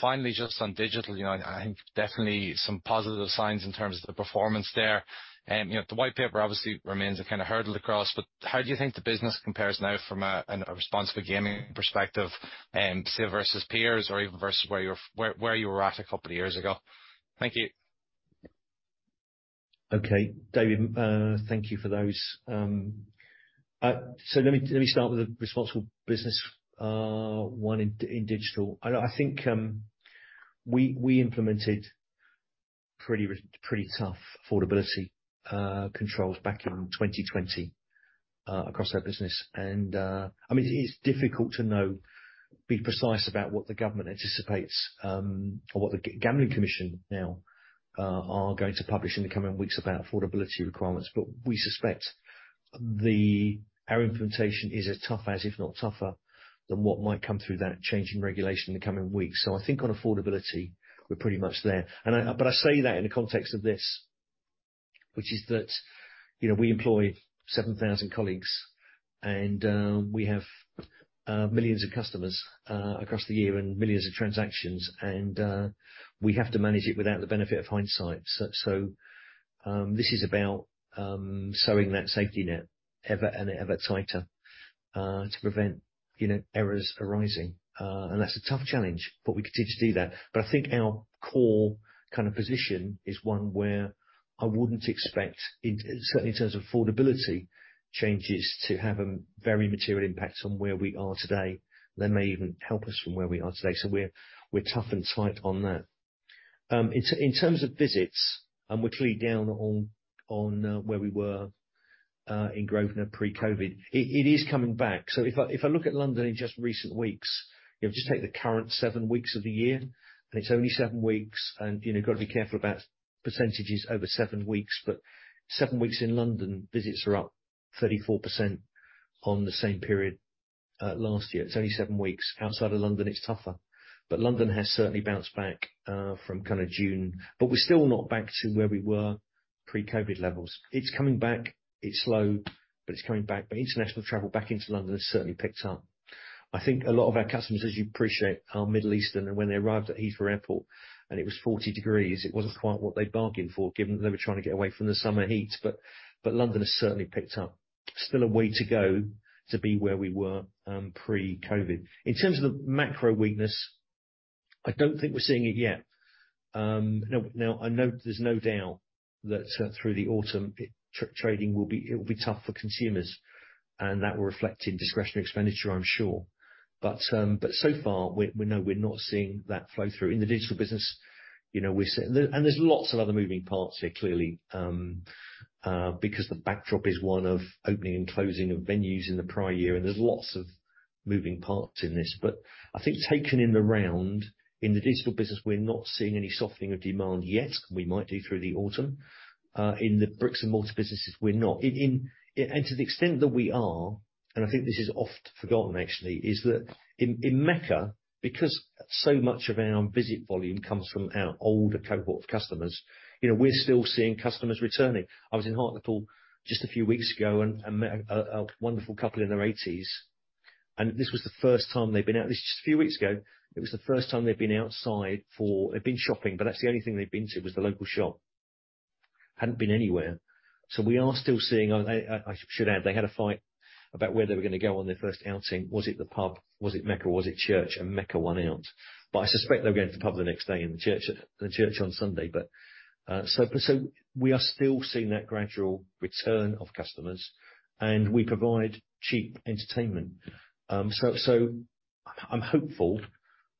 Finally, just on digital, you know, and I think definitely some positive signs in terms of the performance there. You know, the white paper obviously remains a kind of hurdle to cross, but how do you think the business compares now from a responsible gaming perspective, say versus peers or even versus where you were at a couple of years ago? Thank you. Okay, David, thank you for those. Let me start with the responsible business one in digital. I think we implemented pretty tough affordability controls back in 2020 across our business. I mean, it is difficult to know, to be precise about what the government anticipates, or what the Gambling Commission now are going to publish in the coming weeks about affordability requirements. We suspect our implementation is as tough as, if not tougher, than what might come through that change in regulation in the coming weeks. I think on affordability we're pretty much there. I say that in the context of this, which is that, you know, we employ 7,000 colleagues, and we have millions of customers across the year and millions of transactions and we have to manage it without the benefit of hindsight. This is about sowing that safety net ever and ever tighter to prevent, you know, errors arising. And that's a tough challenge, but we continue to do that. I think our core kind of position is one where I wouldn't expect, certainly in terms of affordability changes, to have a very material impact on where we are today. They may even help us from where we are today. We're tough and tight on that. In terms of visits, where we were in Grosvenor pre-COVID, it is coming back. If I look at London in just recent weeks, you know, just take the current seven weeks of the year, and it's only seven weeks and, you know, gotta be careful about % over seven weeks. seven weeks in London, visits are up 34% on the same period, last year. It's only seven weeks. Outside of London, it's tougher. London has certainly bounced back, from kind of June. We're still not back to where we were pre-COVID levels. It's coming back. It's slow, but it's coming back. International travel back into London has certainly picked up. I think a lot of our customers, as you'd appreciate, are Middle Eastern, and when they arrived at Heathrow Airport and it was 40 degrees, it wasn't quite what they'd bargained for, given that they were trying to get away from the summer heat. London has certainly picked up. Still a way to go to be where we were, pre-COVID. In terms of the macro weakness, I don't think we're seeing it yet. Now, I know there's no doubt that through the autumn trading will be tough for consumers, and that will reflect in discretionary expenditure, I'm sure. So far, we're not seeing that flow through. In the digital business, you know, we're. There's lots of other moving parts here, clearly, because the backdrop is one of opening and closing of venues in the prior year, and there's lots of moving parts in this. I think taken in the round, in the digital business, we're not seeing any softening of demand yet. We might do through the autumn. In the bricks and mortar businesses, we're not. And to the extent that we are, and I think this is oft forgotten actually, is that in Mecca, because so much of our visit volume comes from our older cohort of customers, you know, we're still seeing customers returning. I was in Hartlepool just a few weeks ago and met a wonderful couple in their eighties, and this was the first time they'd been out. This was just a few weeks ago. It was the first time they'd been outside. They've been shopping, but that's the only thing they'd been to, was the local shop. Hadn't been anywhere. I should add, they had a fight about where they were gonna go on their first outing. Was it the pub? Was it Mecca? Was it church? Mecca won out. I suspect they were going to the pub the next day and church at the church on Sunday. We are still seeing that gradual return of customers, and we provide cheap entertainment. I'm hopeful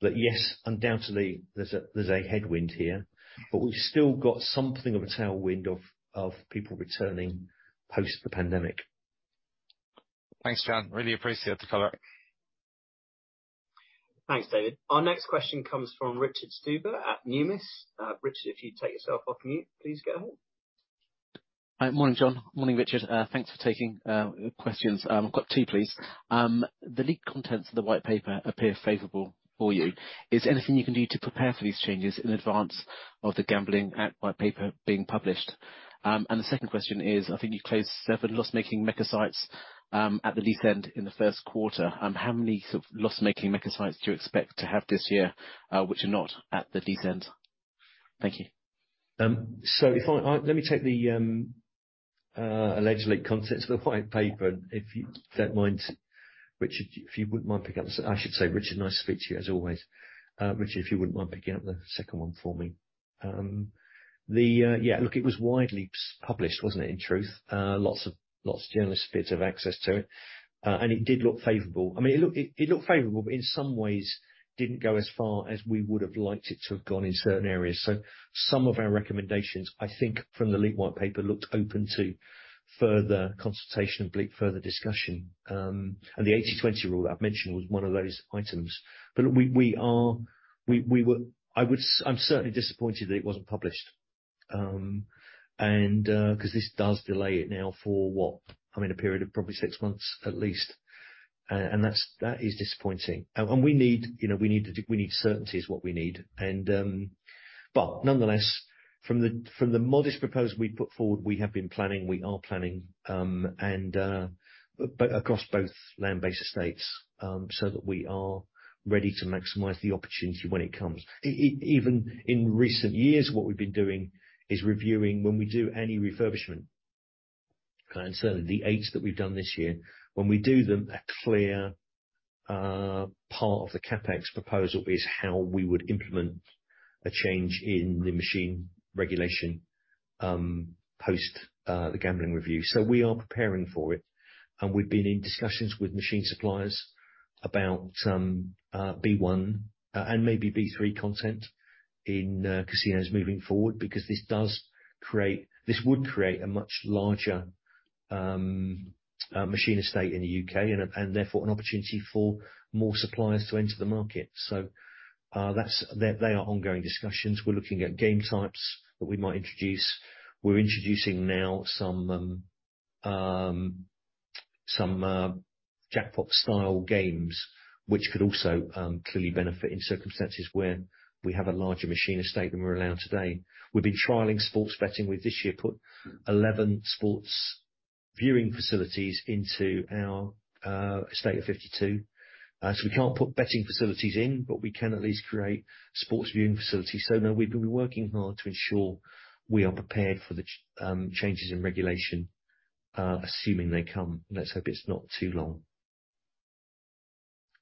that, yes, undoubtedly there's a headwind here, but we've still got something of a tailwind of people returning post the pandemic. Thanks, John. Really appreciate the color. Thanks, David. Our next question comes from Richard Stuber at Numis. Richard, if you'd take yourself off mute, please go ahead. Hi. Morning, John. Morning, Richard. Thanks for taking questions. I've got two, please. The leaked contents of the White Paper appear favorable for you. Is there anything you can do to prepare for these changes in advance of the Gambling Act White Paper being published? The second question is, I think you closed seven loss-making Mecca sites at the lease end in the first quarter. How many sort of loss-making Mecca sites do you expect to have this year, which are not at the lease end? Thank you. Let me take the alleged leaked contents of the white paper, if you don't mind. I should say, Richard, nice to speak to you as always. Richard, if you wouldn't mind picking up the second one for me. Yeah, look, it was widely pre-published, wasn't it, in truth? Lots of journalists had bits of access to it. It did look favorable. I mean, it looked favorable, but in some ways, didn't go as far as we would have liked it to have gone in certain areas. Some of our recommendations, I think, from the white paper, looked open to further consultation and left for further discussion. The 80/20 rule I've mentioned was one of those items. I'm certainly disappointed that it wasn't published, and 'cause this does delay it now for what? I mean, a period of probably six months at least. That's disappointing. We need certainty is what we need. You know, nonetheless, from the modest proposal we put forward, we have been planning, we are planning across both land-based estates, so that we are ready to maximize the opportunity when it comes. Even in recent years, what we've been doing is reviewing when we do any refurbishment. Certainly the eight that we've done this year, when we do them, a clear part of the CapEx proposal is how we would implement a change in the machine regulation post the gambling review. We are preparing for it, and we've been in discussions with machine suppliers about some B1 and maybe B3 content in casinos moving forward because this would create a much larger machine estate in the U.K. and therefore an opportunity for more suppliers to enter the market. They are ongoing discussions. We're looking at game types that we might introduce. We're introducing now some jackpot style games, which could also clearly benefit in circumstances where we have a larger machine estate than we're allowed today. We've been trialing sports betting. We this year put 11 sports viewing facilities into our estate of 52. We can't put betting facilities in, but we can at least create sports viewing facilities. No, we've been working hard to ensure we are prepared for the changes in regulation, assuming they come. Let's hope it's not too long.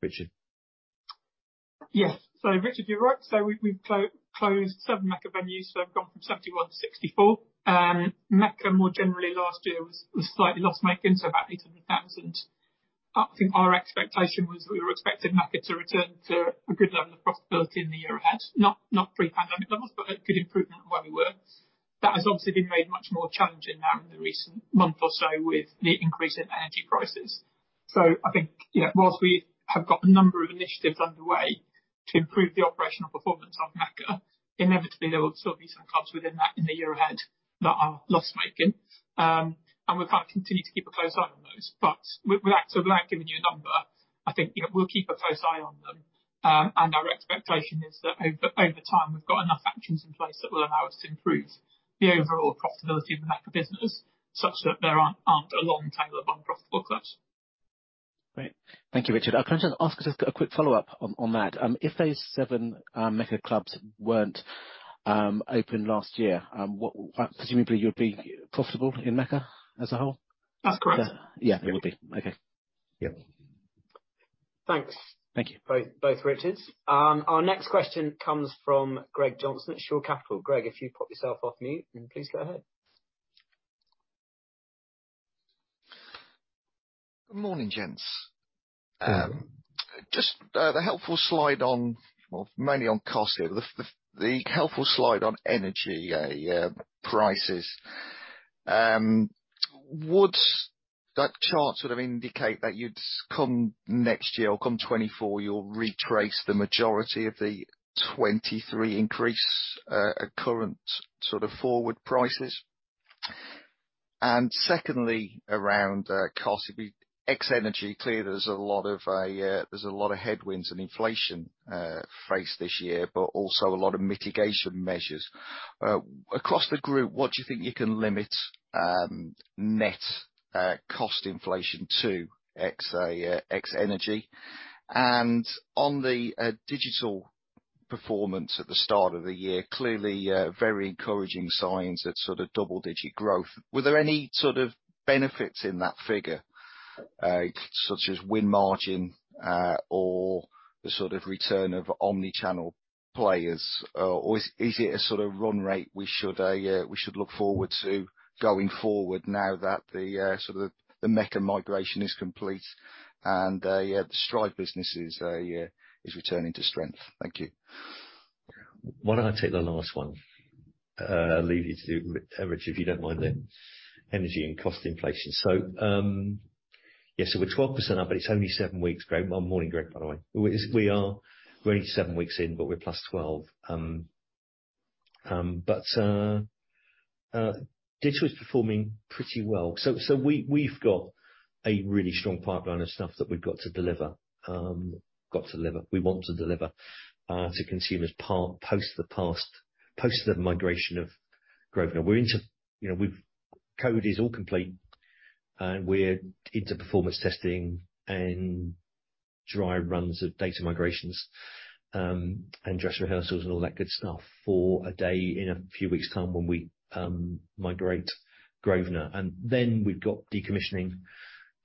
Richard. Yes. Richard, you're right. We've closed seven Mecca venues, so I've gone from 71 to 64. Mecca more generally last year was slightly loss-making, so about 800,000. I think our expectation was we were expecting Mecca to return to a good level of profitability in the year ahead. Not pre-pandemic levels, but a good improvement on where we were. That has obviously been made much more challenging now in the recent month or so with the increase in energy prices. I think, yeah, while we have got a number of initiatives underway to improve the operational performance on Mecca, inevitably, there will still be some clubs within that in the year ahead that are loss-making. We'll kind of continue to keep a close eye on those. Without giving you a number, I think, you know, we'll keep a close eye on them. Our expectation is that over time, we've got enough actions in place that will allow us to improve the overall profitability of the Mecca business such that there aren't a long tail of unprofitable clubs. Great. Thank you, Richard. Can I just ask a quick follow-up on that? If those seven Mecca clubs weren't open last year, presumably, you'd be profitable in Mecca as a whole? That's correct. Yeah, it would be. Okay. Yep. Thanks. Thank you. Both Richards. Our next question comes from Greg Johnson at Shore Capital. Greg, if you'd pop yourself off mute and please go ahead. Good morning, gents. Morning. Just the helpful slide mainly on cost here. The helpful slide on energy, yeah, prices. Would that chart sort of indicate that you'd come next year or come 2024, you'll retrace the majority of the 2023 increase at current sort of forward prices? Secondly, around cost, it'd be ex energy. Clearly, there's a lot of headwinds and inflation faced this year, but also a lot of mitigation measures. Across the group, what do you think you can limit net cost inflation to ex energy? On the digital performance at the start of the year, clearly very encouraging signs at sort of double-digit growth. Were there any sort of benefits in that figure, such as win margin, or the sort of return of omnichannel players? Or is it a sort of run rate we should look forward to going forward now that the sort of the Mecca migration is complete and the Stride business is returning to strength? Thank you. Why don't I take the last one? I'll leave you to do Richard, if you don't mind then. Energy and cost inflation. We're 12% up, but it's only seven weeks, Greg. Well, morning, Greg, by the way. We're only seven weeks in, but we're plus 12. Digital is performing pretty well. We've got a really strong pipeline of stuff that we've got to deliver. We want to deliver to consumers post the migration of Grosvenor. Code is all complete and we're into performance testing and dry runs of data migrations, and dress rehearsals and all that good stuff for D-Day in a few weeks' time when we migrate Grosvenor. We've got decommissioning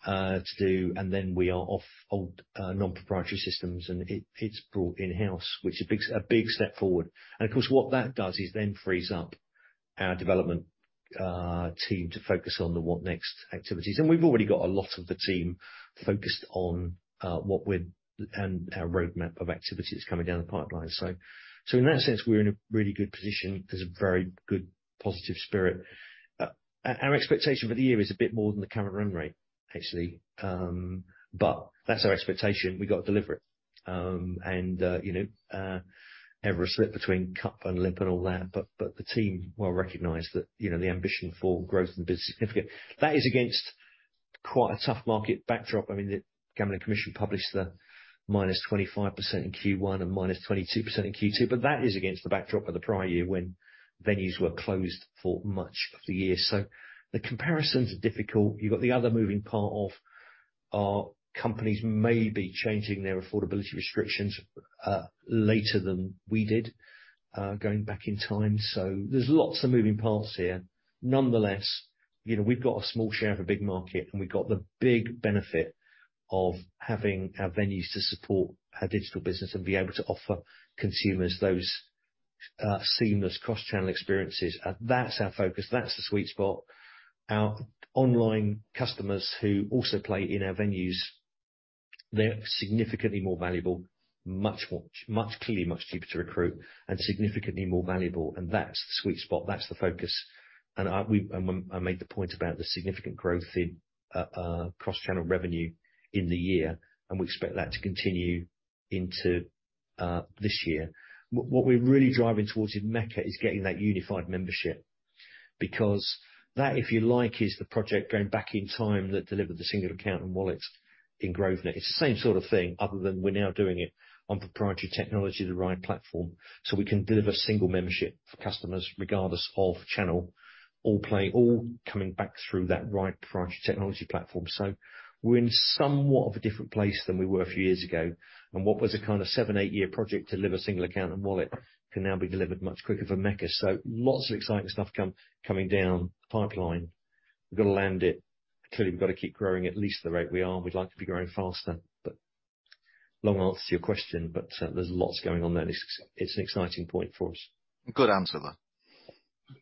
to do, and then we are off old non-proprietary systems and it's brought in-house, which is a big step forward. Of course, what that does is then frees up our development team to focus on the what's next activities. We've already got a lot of the team focused on our roadmap of activities coming down the pipeline. In that sense, we're in a really good position. There's a very good positive spirit. Our expectation for the year is a bit more than the current run rate actually. But that's our expectation. We got to deliver it. You know, every slip between cup and lip and all that. But the team will recognize that, you know, the ambition for growth in the business is significant. That is against quite a tough market backdrop. I mean, the Gambling Commission published the -25% in Q1 and -22% in Q2, but that is against the backdrop of the prior year when venues were closed for much of the year. The comparisons are difficult. You've got the other moving part of other companies may be changing their affordability restrictions later than we did, going back in time. There's lots of moving parts here. Nonetheless, you know, we've got a small share of a big market, and we've got the big benefit of having our venues to support our digital business and be able to offer consumers those seamless omnichannel experiences. That's our focus. That's the sweet spot. Our online customers who also play in our venues, they're significantly more valuable, much cheaper to recruit and significantly more valuable. That's the sweet spot. That's the focus. I made the point about the significant growth in cross-channel revenue in the year, and we expect that to continue into this year. What we're really driving towards in Mecca is getting that unified membership because that, if you like, is the project going back in time that delivered the single account and wallets in Grosvenor. It's the same sort of thing other than we're now doing it on proprietary technology, the right platform, so we can deliver single membership for customers regardless of channel or play, or coming back through that right proprietary technology platform. We're in somewhat of a different place than we were a few years ago. What was a kind of seven- eight year project to deliver single account and wallet can now be delivered much quicker for Mecca. Lots of exciting stuff coming down the pipeline. We've got to land it. Clearly, we've got to keep growing at least the rate we are. We'd like to be growing faster, but long answer to your question, but there's lots going on there. It's an exciting point for us. Good answer, though.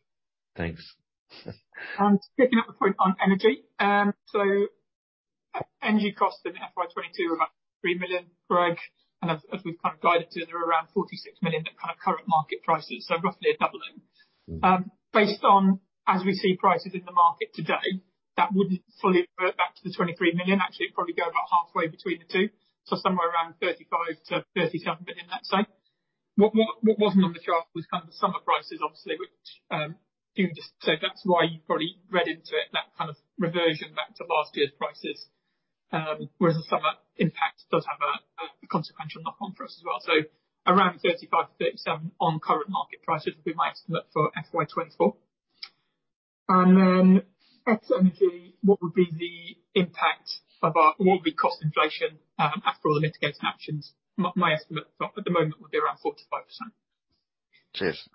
Thanks. Picking up a point on energy. Energy cost in FY22 were about 3 million, Greg. As we've kind of guided to, they're around 46 million, at kind of current market prices, so roughly a doubling. Based on as we see prices in the market today, that wouldn't fully revert back to the 23 million. Actually, it'd probably go about halfway between the two, so somewhere around 35-37 million, let's say. What wasn't on the chart was kind of the summer prices, obviously, which you just said that's why you probably read into it, that kind of reversion back to last year's prices, whereas the summer impact does have a consequential knock on for us as well. Around 35-37 million on current market prices would be my estimate for FY24. At energy, what would be the impact of all cost inflation after all the mitigation actions? My estimate at the moment would be around 45%. Cheers.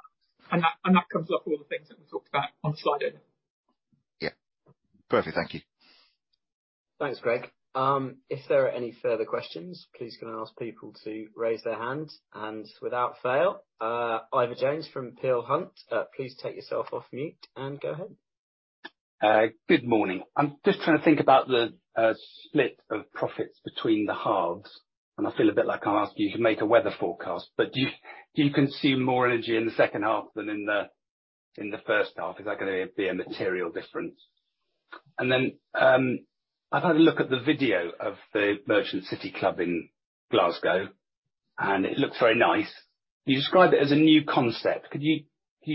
That covers off all the things that we talked about on slide eight. Yeah. Perfect. Thank you. Thanks, Greg. If there are any further questions, please can I ask people to raise their hand and without fail. Ivor Jones from Peel Hunt, please take yourself off mute and go ahead. Good morning. I'm just trying to think about the split of profits between the halves, and I feel a bit like I'm asking you to make a weather forecast. Do you consume more energy in the second half than in the first half? Is that gonna be a material difference? I've had a look at the video of the Merchant City club in Glasgow, and it looks very nice. You describe it as a new concept. Could you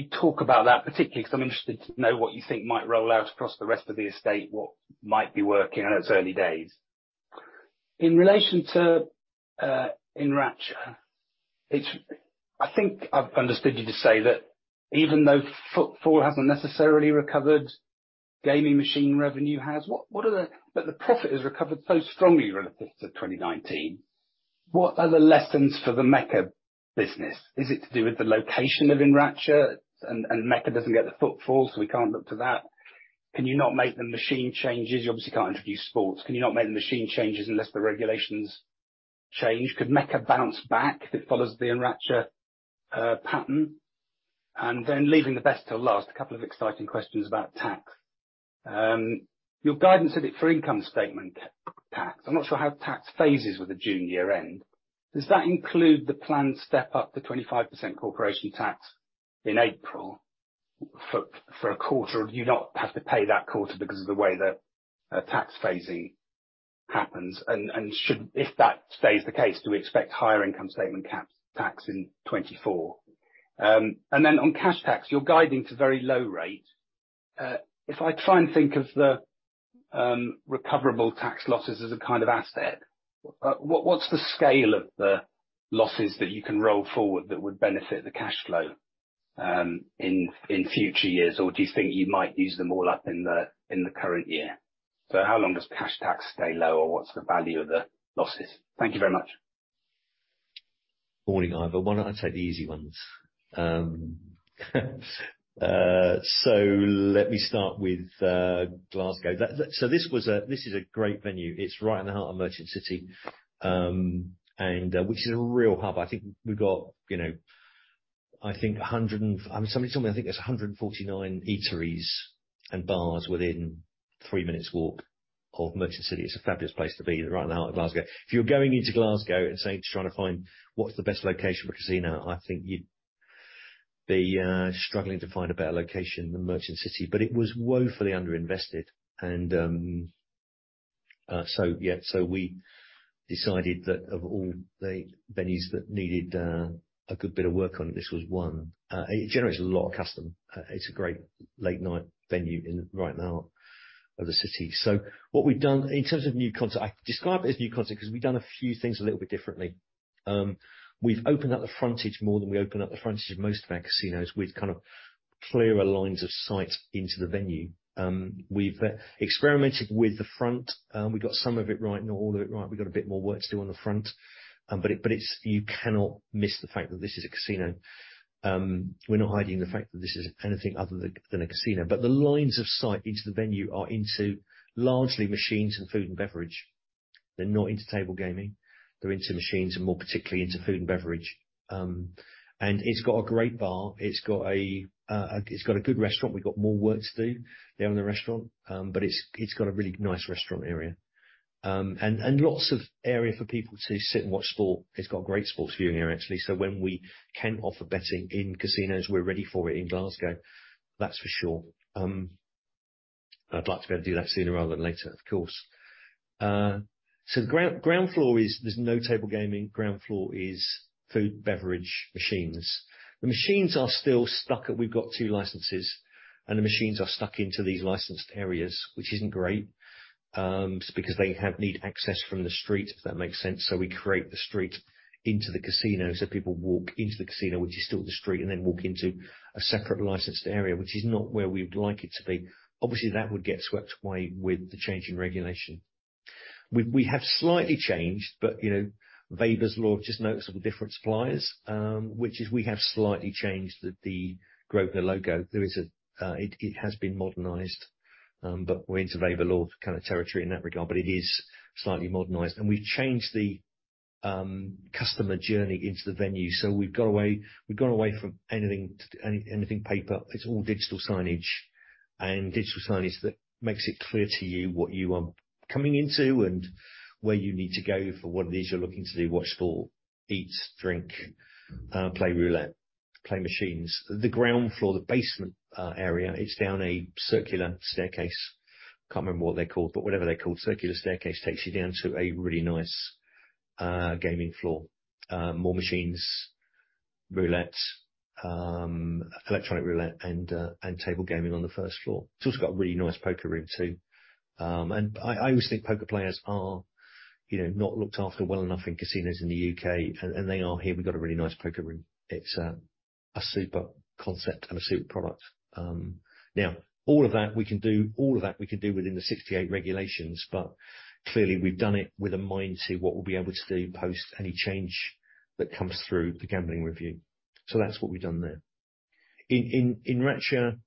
talk about that particularly because I'm interested to know what you think might roll out across the rest of the estate, what might be working? I know it's early days. In relation to Enracha, I think I've understood you to say that even though footfall hasn't necessarily recovered, gaming machine revenue has. The profit has recovered so strongly relative to 2019. What are the lessons for the Mecca business? Is it to do with the location of Enracha and Mecca doesn't get the footfall, so we can't look to that? Can you not make the machine changes? You obviously can't introduce sports. Can you not make the machine changes unless the regulations change? Could Mecca bounce back if it follows the Enracha pattern? Leaving the best till last, a couple of exciting questions about tax. Your guidance said it for income statement tax. I'm not sure how tax phases with the June year end. Does that include the planned step up to 25% corporation tax in April for a quarter? Or do you not have to pay that quarter because of the way that tax phasing happens? If that stays the case, do we expect higher income statement CapEx in 2024? On cash tax, you're guiding to very low rate. If I try and think of the recoverable tax losses as a kind of asset, what's the scale of the losses that you can roll forward that would benefit the cash flow in future years? Do you think you might use them all up in the current year? How long does cash tax stay low, or what's the value of the losses? Thank you very much. Morning, Ivor. Why don't I take the easy ones? Let me start with Glasgow. This is a great venue. It's right in the heart of Merchant City, and which is a real hub. I think we got, you know, I think a hundred and I mean, somebody told me, I think there's a hundred and 149 eateries and bars within three minutes walk of Merchant City. It's a fabulous place to be right in the heart of Glasgow. If you're going into Glasgow and saying, trying to find what's the best location for a casino, I think you'd be struggling to find a better location than Merchant City. It was woefully underinvested, and so yeah. We decided that of all the venues that needed a good bit of work on it, this was one. It generates a lot of custom. It's a great late-night venue right in the heart of the city. What we've done in terms of new concept, I describe it as new concept 'cause we've done a few things a little bit differently. We've opened up the frontage more than we open up the frontage of most of our casinos. We've kind of clearer lines of sight into the venue. We've experimented with the front. We got some of it right, not all of it right. We've got a bit more work to do on the front. But it's. You cannot miss the fact that this is a casino. We're not hiding the fact that this is anything other than a casino. The lines of sight into the venue are into largely machines and food and beverage. They're not into table gaming. They're into machines and more particularly into food and beverage. It's got a great bar. It's got a good restaurant. We've got more work to do there in the restaurant. It's got a really nice restaurant area. Lots of area for people to sit and watch sport. It's got a great sports viewing area, actually. When we can offer betting in casinos, we're ready for it in Glasgow, that's for sure. I'd like to be able to do that sooner rather than later, of course. The ground floor is there's no table gaming. Ground floor is food, beverage, machines. The machines are still stuck at. We've got two licenses, and the machines are stuck into these licensed areas, which isn't great, because they need access from the street, if that makes sense. We create the street into the casino so people walk into the casino, which is still the street, and then walk into a separate licensed area, which is not where we'd like it to be. Obviously, that would get swept away with the change in regulation. We have slightly changed, but you know, Weber's Law, just noticeable difference, which is we have slightly changed the Grosvenor logo. It has been modernized, but we're into Weber's Law kind of territory in that regard, but it is slightly modernized. We've changed the customer journey into the venue. We've gone away from any paper. It's all digital signage that makes it clear to you what you are coming into and where you need to go for whatever it is you're looking to do. Watch sport, eat, drink, play roulette, play machines. The ground floor, the basement area, it's down a circular staircase. Can't remember what they're called, but whatever they're called. Circular staircase takes you down to a really nice gaming floor. More machines, roulettes, electronic roulette and table gaming on the first floor. It's also got a really nice poker room too. I always think poker players are, you know, not looked after well enough in casinos in the U.K., and they are here. We've got a really nice poker room. It's a super concept and a super product. Now all of that we can do within the 68 regulations, but clearly we've done it with a mind to what we'll be able to do post any change that comes through the gambling review. That's what we've done there. Enracha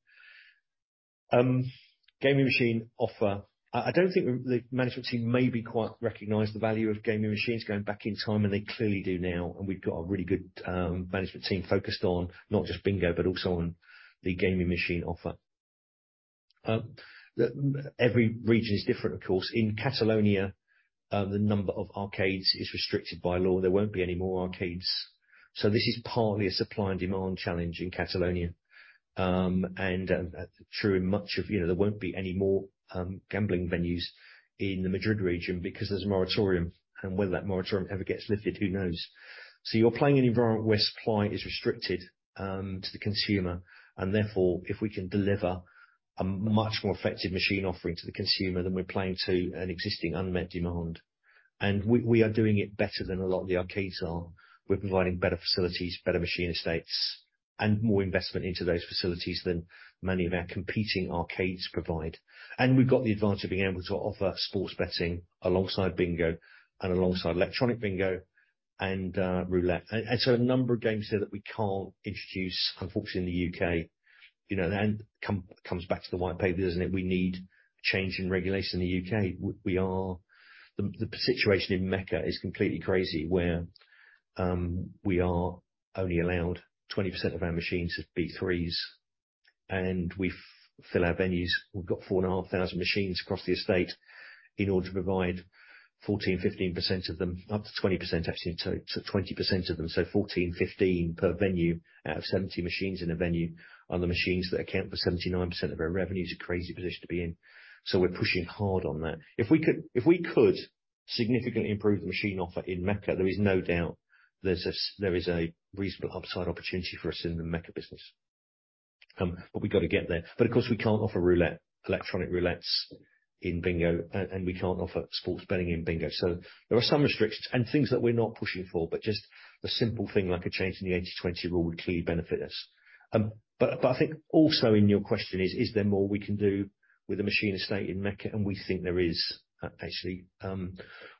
gaming machine offer, I don't think the management team maybe quite recognized the value of gaming machines going back in time, and they clearly do now. We've got a really good management team focused on not just bingo, but also on the gaming machine offer. Every region is different, of course. In Catalonia, the number of arcades is restricted by law. There won't be any more arcades. This is partly a supply and demand challenge in Catalonia. True in much of. You know, there won't be any more gambling venues in the Madrid region because there's a moratorium. Whether that moratorium ever gets lifted, who knows? You're playing an environment where supply is restricted to the consumer, and therefore, if we can deliver a much more effective machine offering to the consumer, then we're playing to an existing unmet demand. We are doing it better than a lot of the arcades are. We're providing better facilities, better machine estates, and more investment into those facilities than many of our competing arcades provide. We've got the advantage of being able to offer sports betting alongside bingo and alongside electronic bingo and roulette. And so a number of games here that we can't introduce, unfortunately, in the U.K.. You know, that comes back to the white paper, doesn't it? We need change in regulation in the U.K.. We are the situation in Mecca is completely crazy, where we are only allowed 20% of our machines as B3s, and we fill our venues. We've got 4,500 machines across the estate in order to provide 14-15% of them, up to 20% actually, so 20% of them. Fourteen, fifteen per venue out of 70 machines in a venue are the machines that account for 79% of our revenue is a crazy position to be in. We're pushing hard on that. If we could significantly improve the machine offer in Mecca, there is no doubt there is a reasonable upside opportunity for us in the Mecca business. We got to get there. Of course, we can't offer roulette, electronic roulettes in bingo. And we can't offer sports betting in bingo. There are some restrictions and things that we're not pushing for, but just a simple thing like a change in the 80/20 rule would clearly benefit us. I think also in your question is there more we can do with the machine estate in Mecca. We think there is, actually.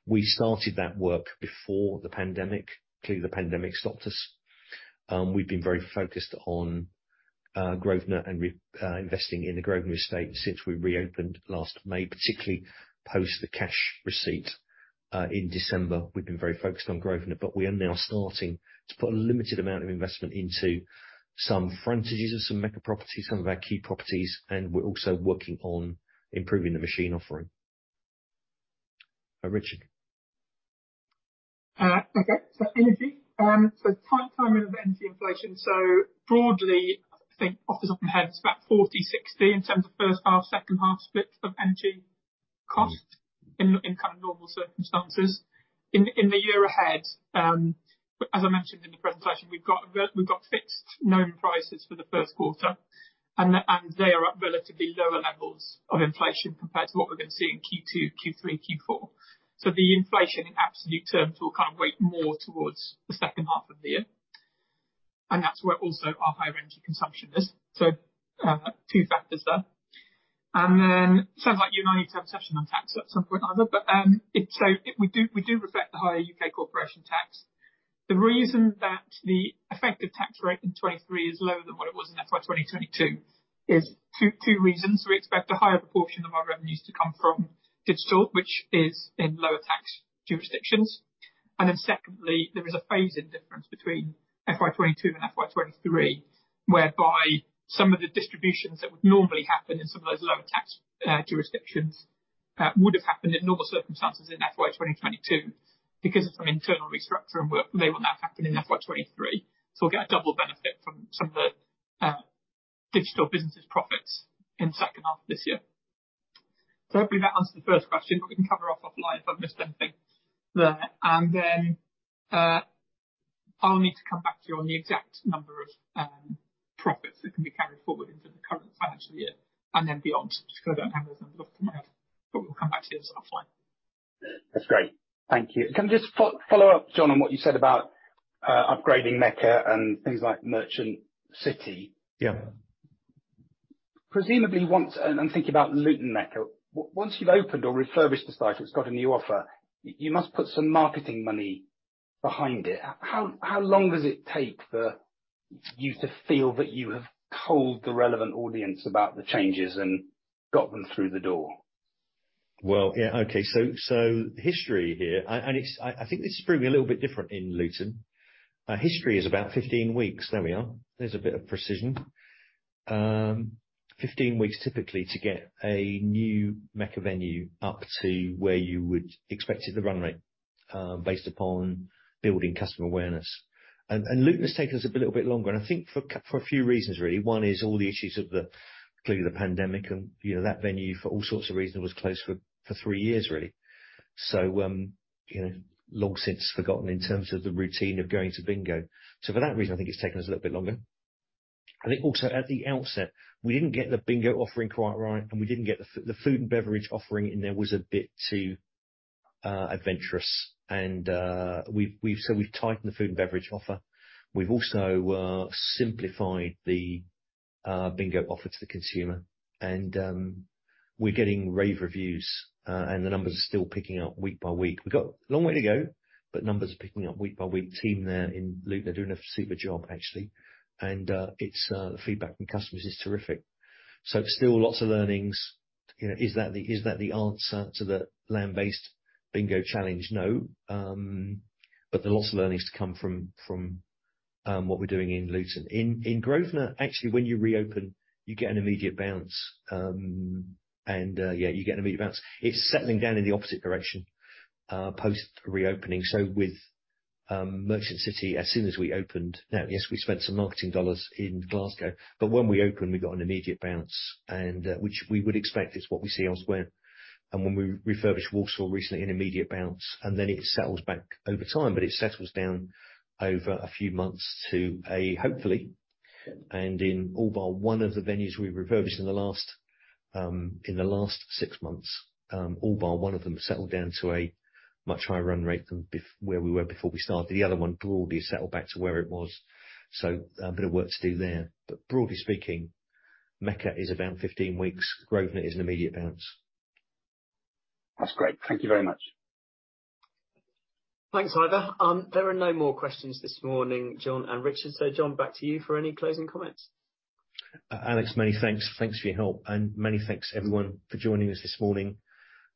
We started that work before the pandemic. Clearly, the pandemic stopped us. We've been very focused on Grosvenor and reinvesting in the Grosvenor estate since we reopened last May, particularly post the cash receipt in December. We've been very focused on Grosvenor, but we are now starting to put a limited amount of investment into some frontages of some Mecca properties, some of our key properties, and we're also working on improving the machine offering. Richard. Okay. Energy. Timing of energy inflation. Broadly, I think off the top of my head, it's about 40/60 in terms of first half, second half split of energy costs in kind of normal circumstances. In the year ahead, as I mentioned in the presentation, we've got fixed known prices for the first quarter, and they are at relatively lower levels of inflation compared to what we're gonna see in Q2, Q3, Q4. The inflation in absolute terms will kind of weigh more towards the second half of the year, and that's where also our higher energy consumption is. Two factors there. Sounds like you and I need to have a session on tax at some point, Ivor. We do reflect the higher U.K. corporation tax. The reason that the effective tax rate in 2023 is lower than what it was in FY 2022 is 2 reasons. We expect a higher proportion of our revenues to come from digital, which is in lower tax jurisdictions. Then secondly, there is a phase-in difference between FY 2022 and FY 2023, whereby some of the distributions that would normally happen in some of those lower tax jurisdictions would have happened in normal circumstances in FY 2022 because of some internal restructuring work. They will now happen in FY 2023. We'll get a double benefit from some of the digital businesses profits in second half of this year. Hopefully that answers the first question, but we can cover off offline if I've missed anything there. I'll need to come back to you on the exact number of profits that can be carried forward into the current financial year and then beyond. Just 'cause I don't have those numbers off the top of my head, but we'll come back to you offline. That's great. Thank you. Can I just follow up, John, on what you said about upgrading Mecca and things like Merchant City? Yeah. I'm thinking about Luton Mecca. Once you've opened or refurbished the site, it's got a new offer, you must put some marketing money behind it. How long does it take for you to feel that you have told the relevant audience about the changes and got them through the door? Yeah. Okay. History here, and it's I think this is probably a little bit different in Luton. History is about 15 weeks. There we are. There's a bit of precision. 15 weeks typically to get a new Mecca venue up to where you would expected the run rate, based upon building customer awareness. Luton has taken us a little bit longer, and I think for a few reasons, really. One is all the issues of the Clearly, the pandemic and, you know, that venue, for all sorts of reasons, was closed for three years, really. You know, long since forgotten in terms of the routine of going to bingo. For that reason, I think it's taken us a little bit longer. I think also at the outset, we didn't get the bingo offering quite right, and we didn't get the food and beverage offering in there, it was a bit too adventurous. We've tightened the food and beverage offer. We've also simplified the bingo offer to the consumer, and we're getting rave reviews, and the numbers are still picking up week by week. We've got a long way to go, but numbers are picking up week by week. Team there in Luton are doing a super job, actually, and the feedback from customers is terrific. Still lots of learnings. You know, is that the answer to the land-based bingo challenge? No. There are lots of learnings to come from what we're doing in Luton. In Grosvenor, actually, when you reopen, you get an immediate bounce. It's settling down in the opposite direction post-reopening. With Merchant City, as soon as we opened. Now, yes, we spent some marketing dollars in Glasgow, but when we opened, we got an immediate bounce, which we would expect. It's what we see elsewhere. When we refurbished Walsall recently, an immediate bounce, and then it settles back over time, but it settles down over a few months to a hopefully. In all but one of the venues we refurbished in the last six months, all but one of them settled down to a much higher run rate than where we were before we started. The other one broadly settled back to where it was. A bit of work to do there. Broadly speaking, Mecca is about 15 weeks. Grosvenor is an immediate bounce. That's great. Thank you very much. Thanks, Ivor. There are no more questions this morning, John and Richard. John, back to you for any closing comments. Alex, many thanks. Thanks for your help, and many thanks everyone for joining us this morning.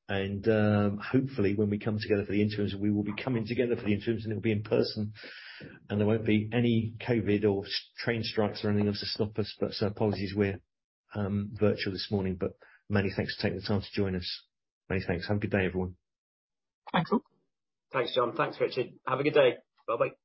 Hopefully when we come together for the interims, it'll be in person, and there won't be any COVID or train strikes or anything else to stop us. Apologies we're virtual this morning. Many thanks for taking the time to join us. Many thanks. Have a good day, everyone. Thanks, all. Thanks, John. Thanks, Richard. Have a good day. Bye-bye.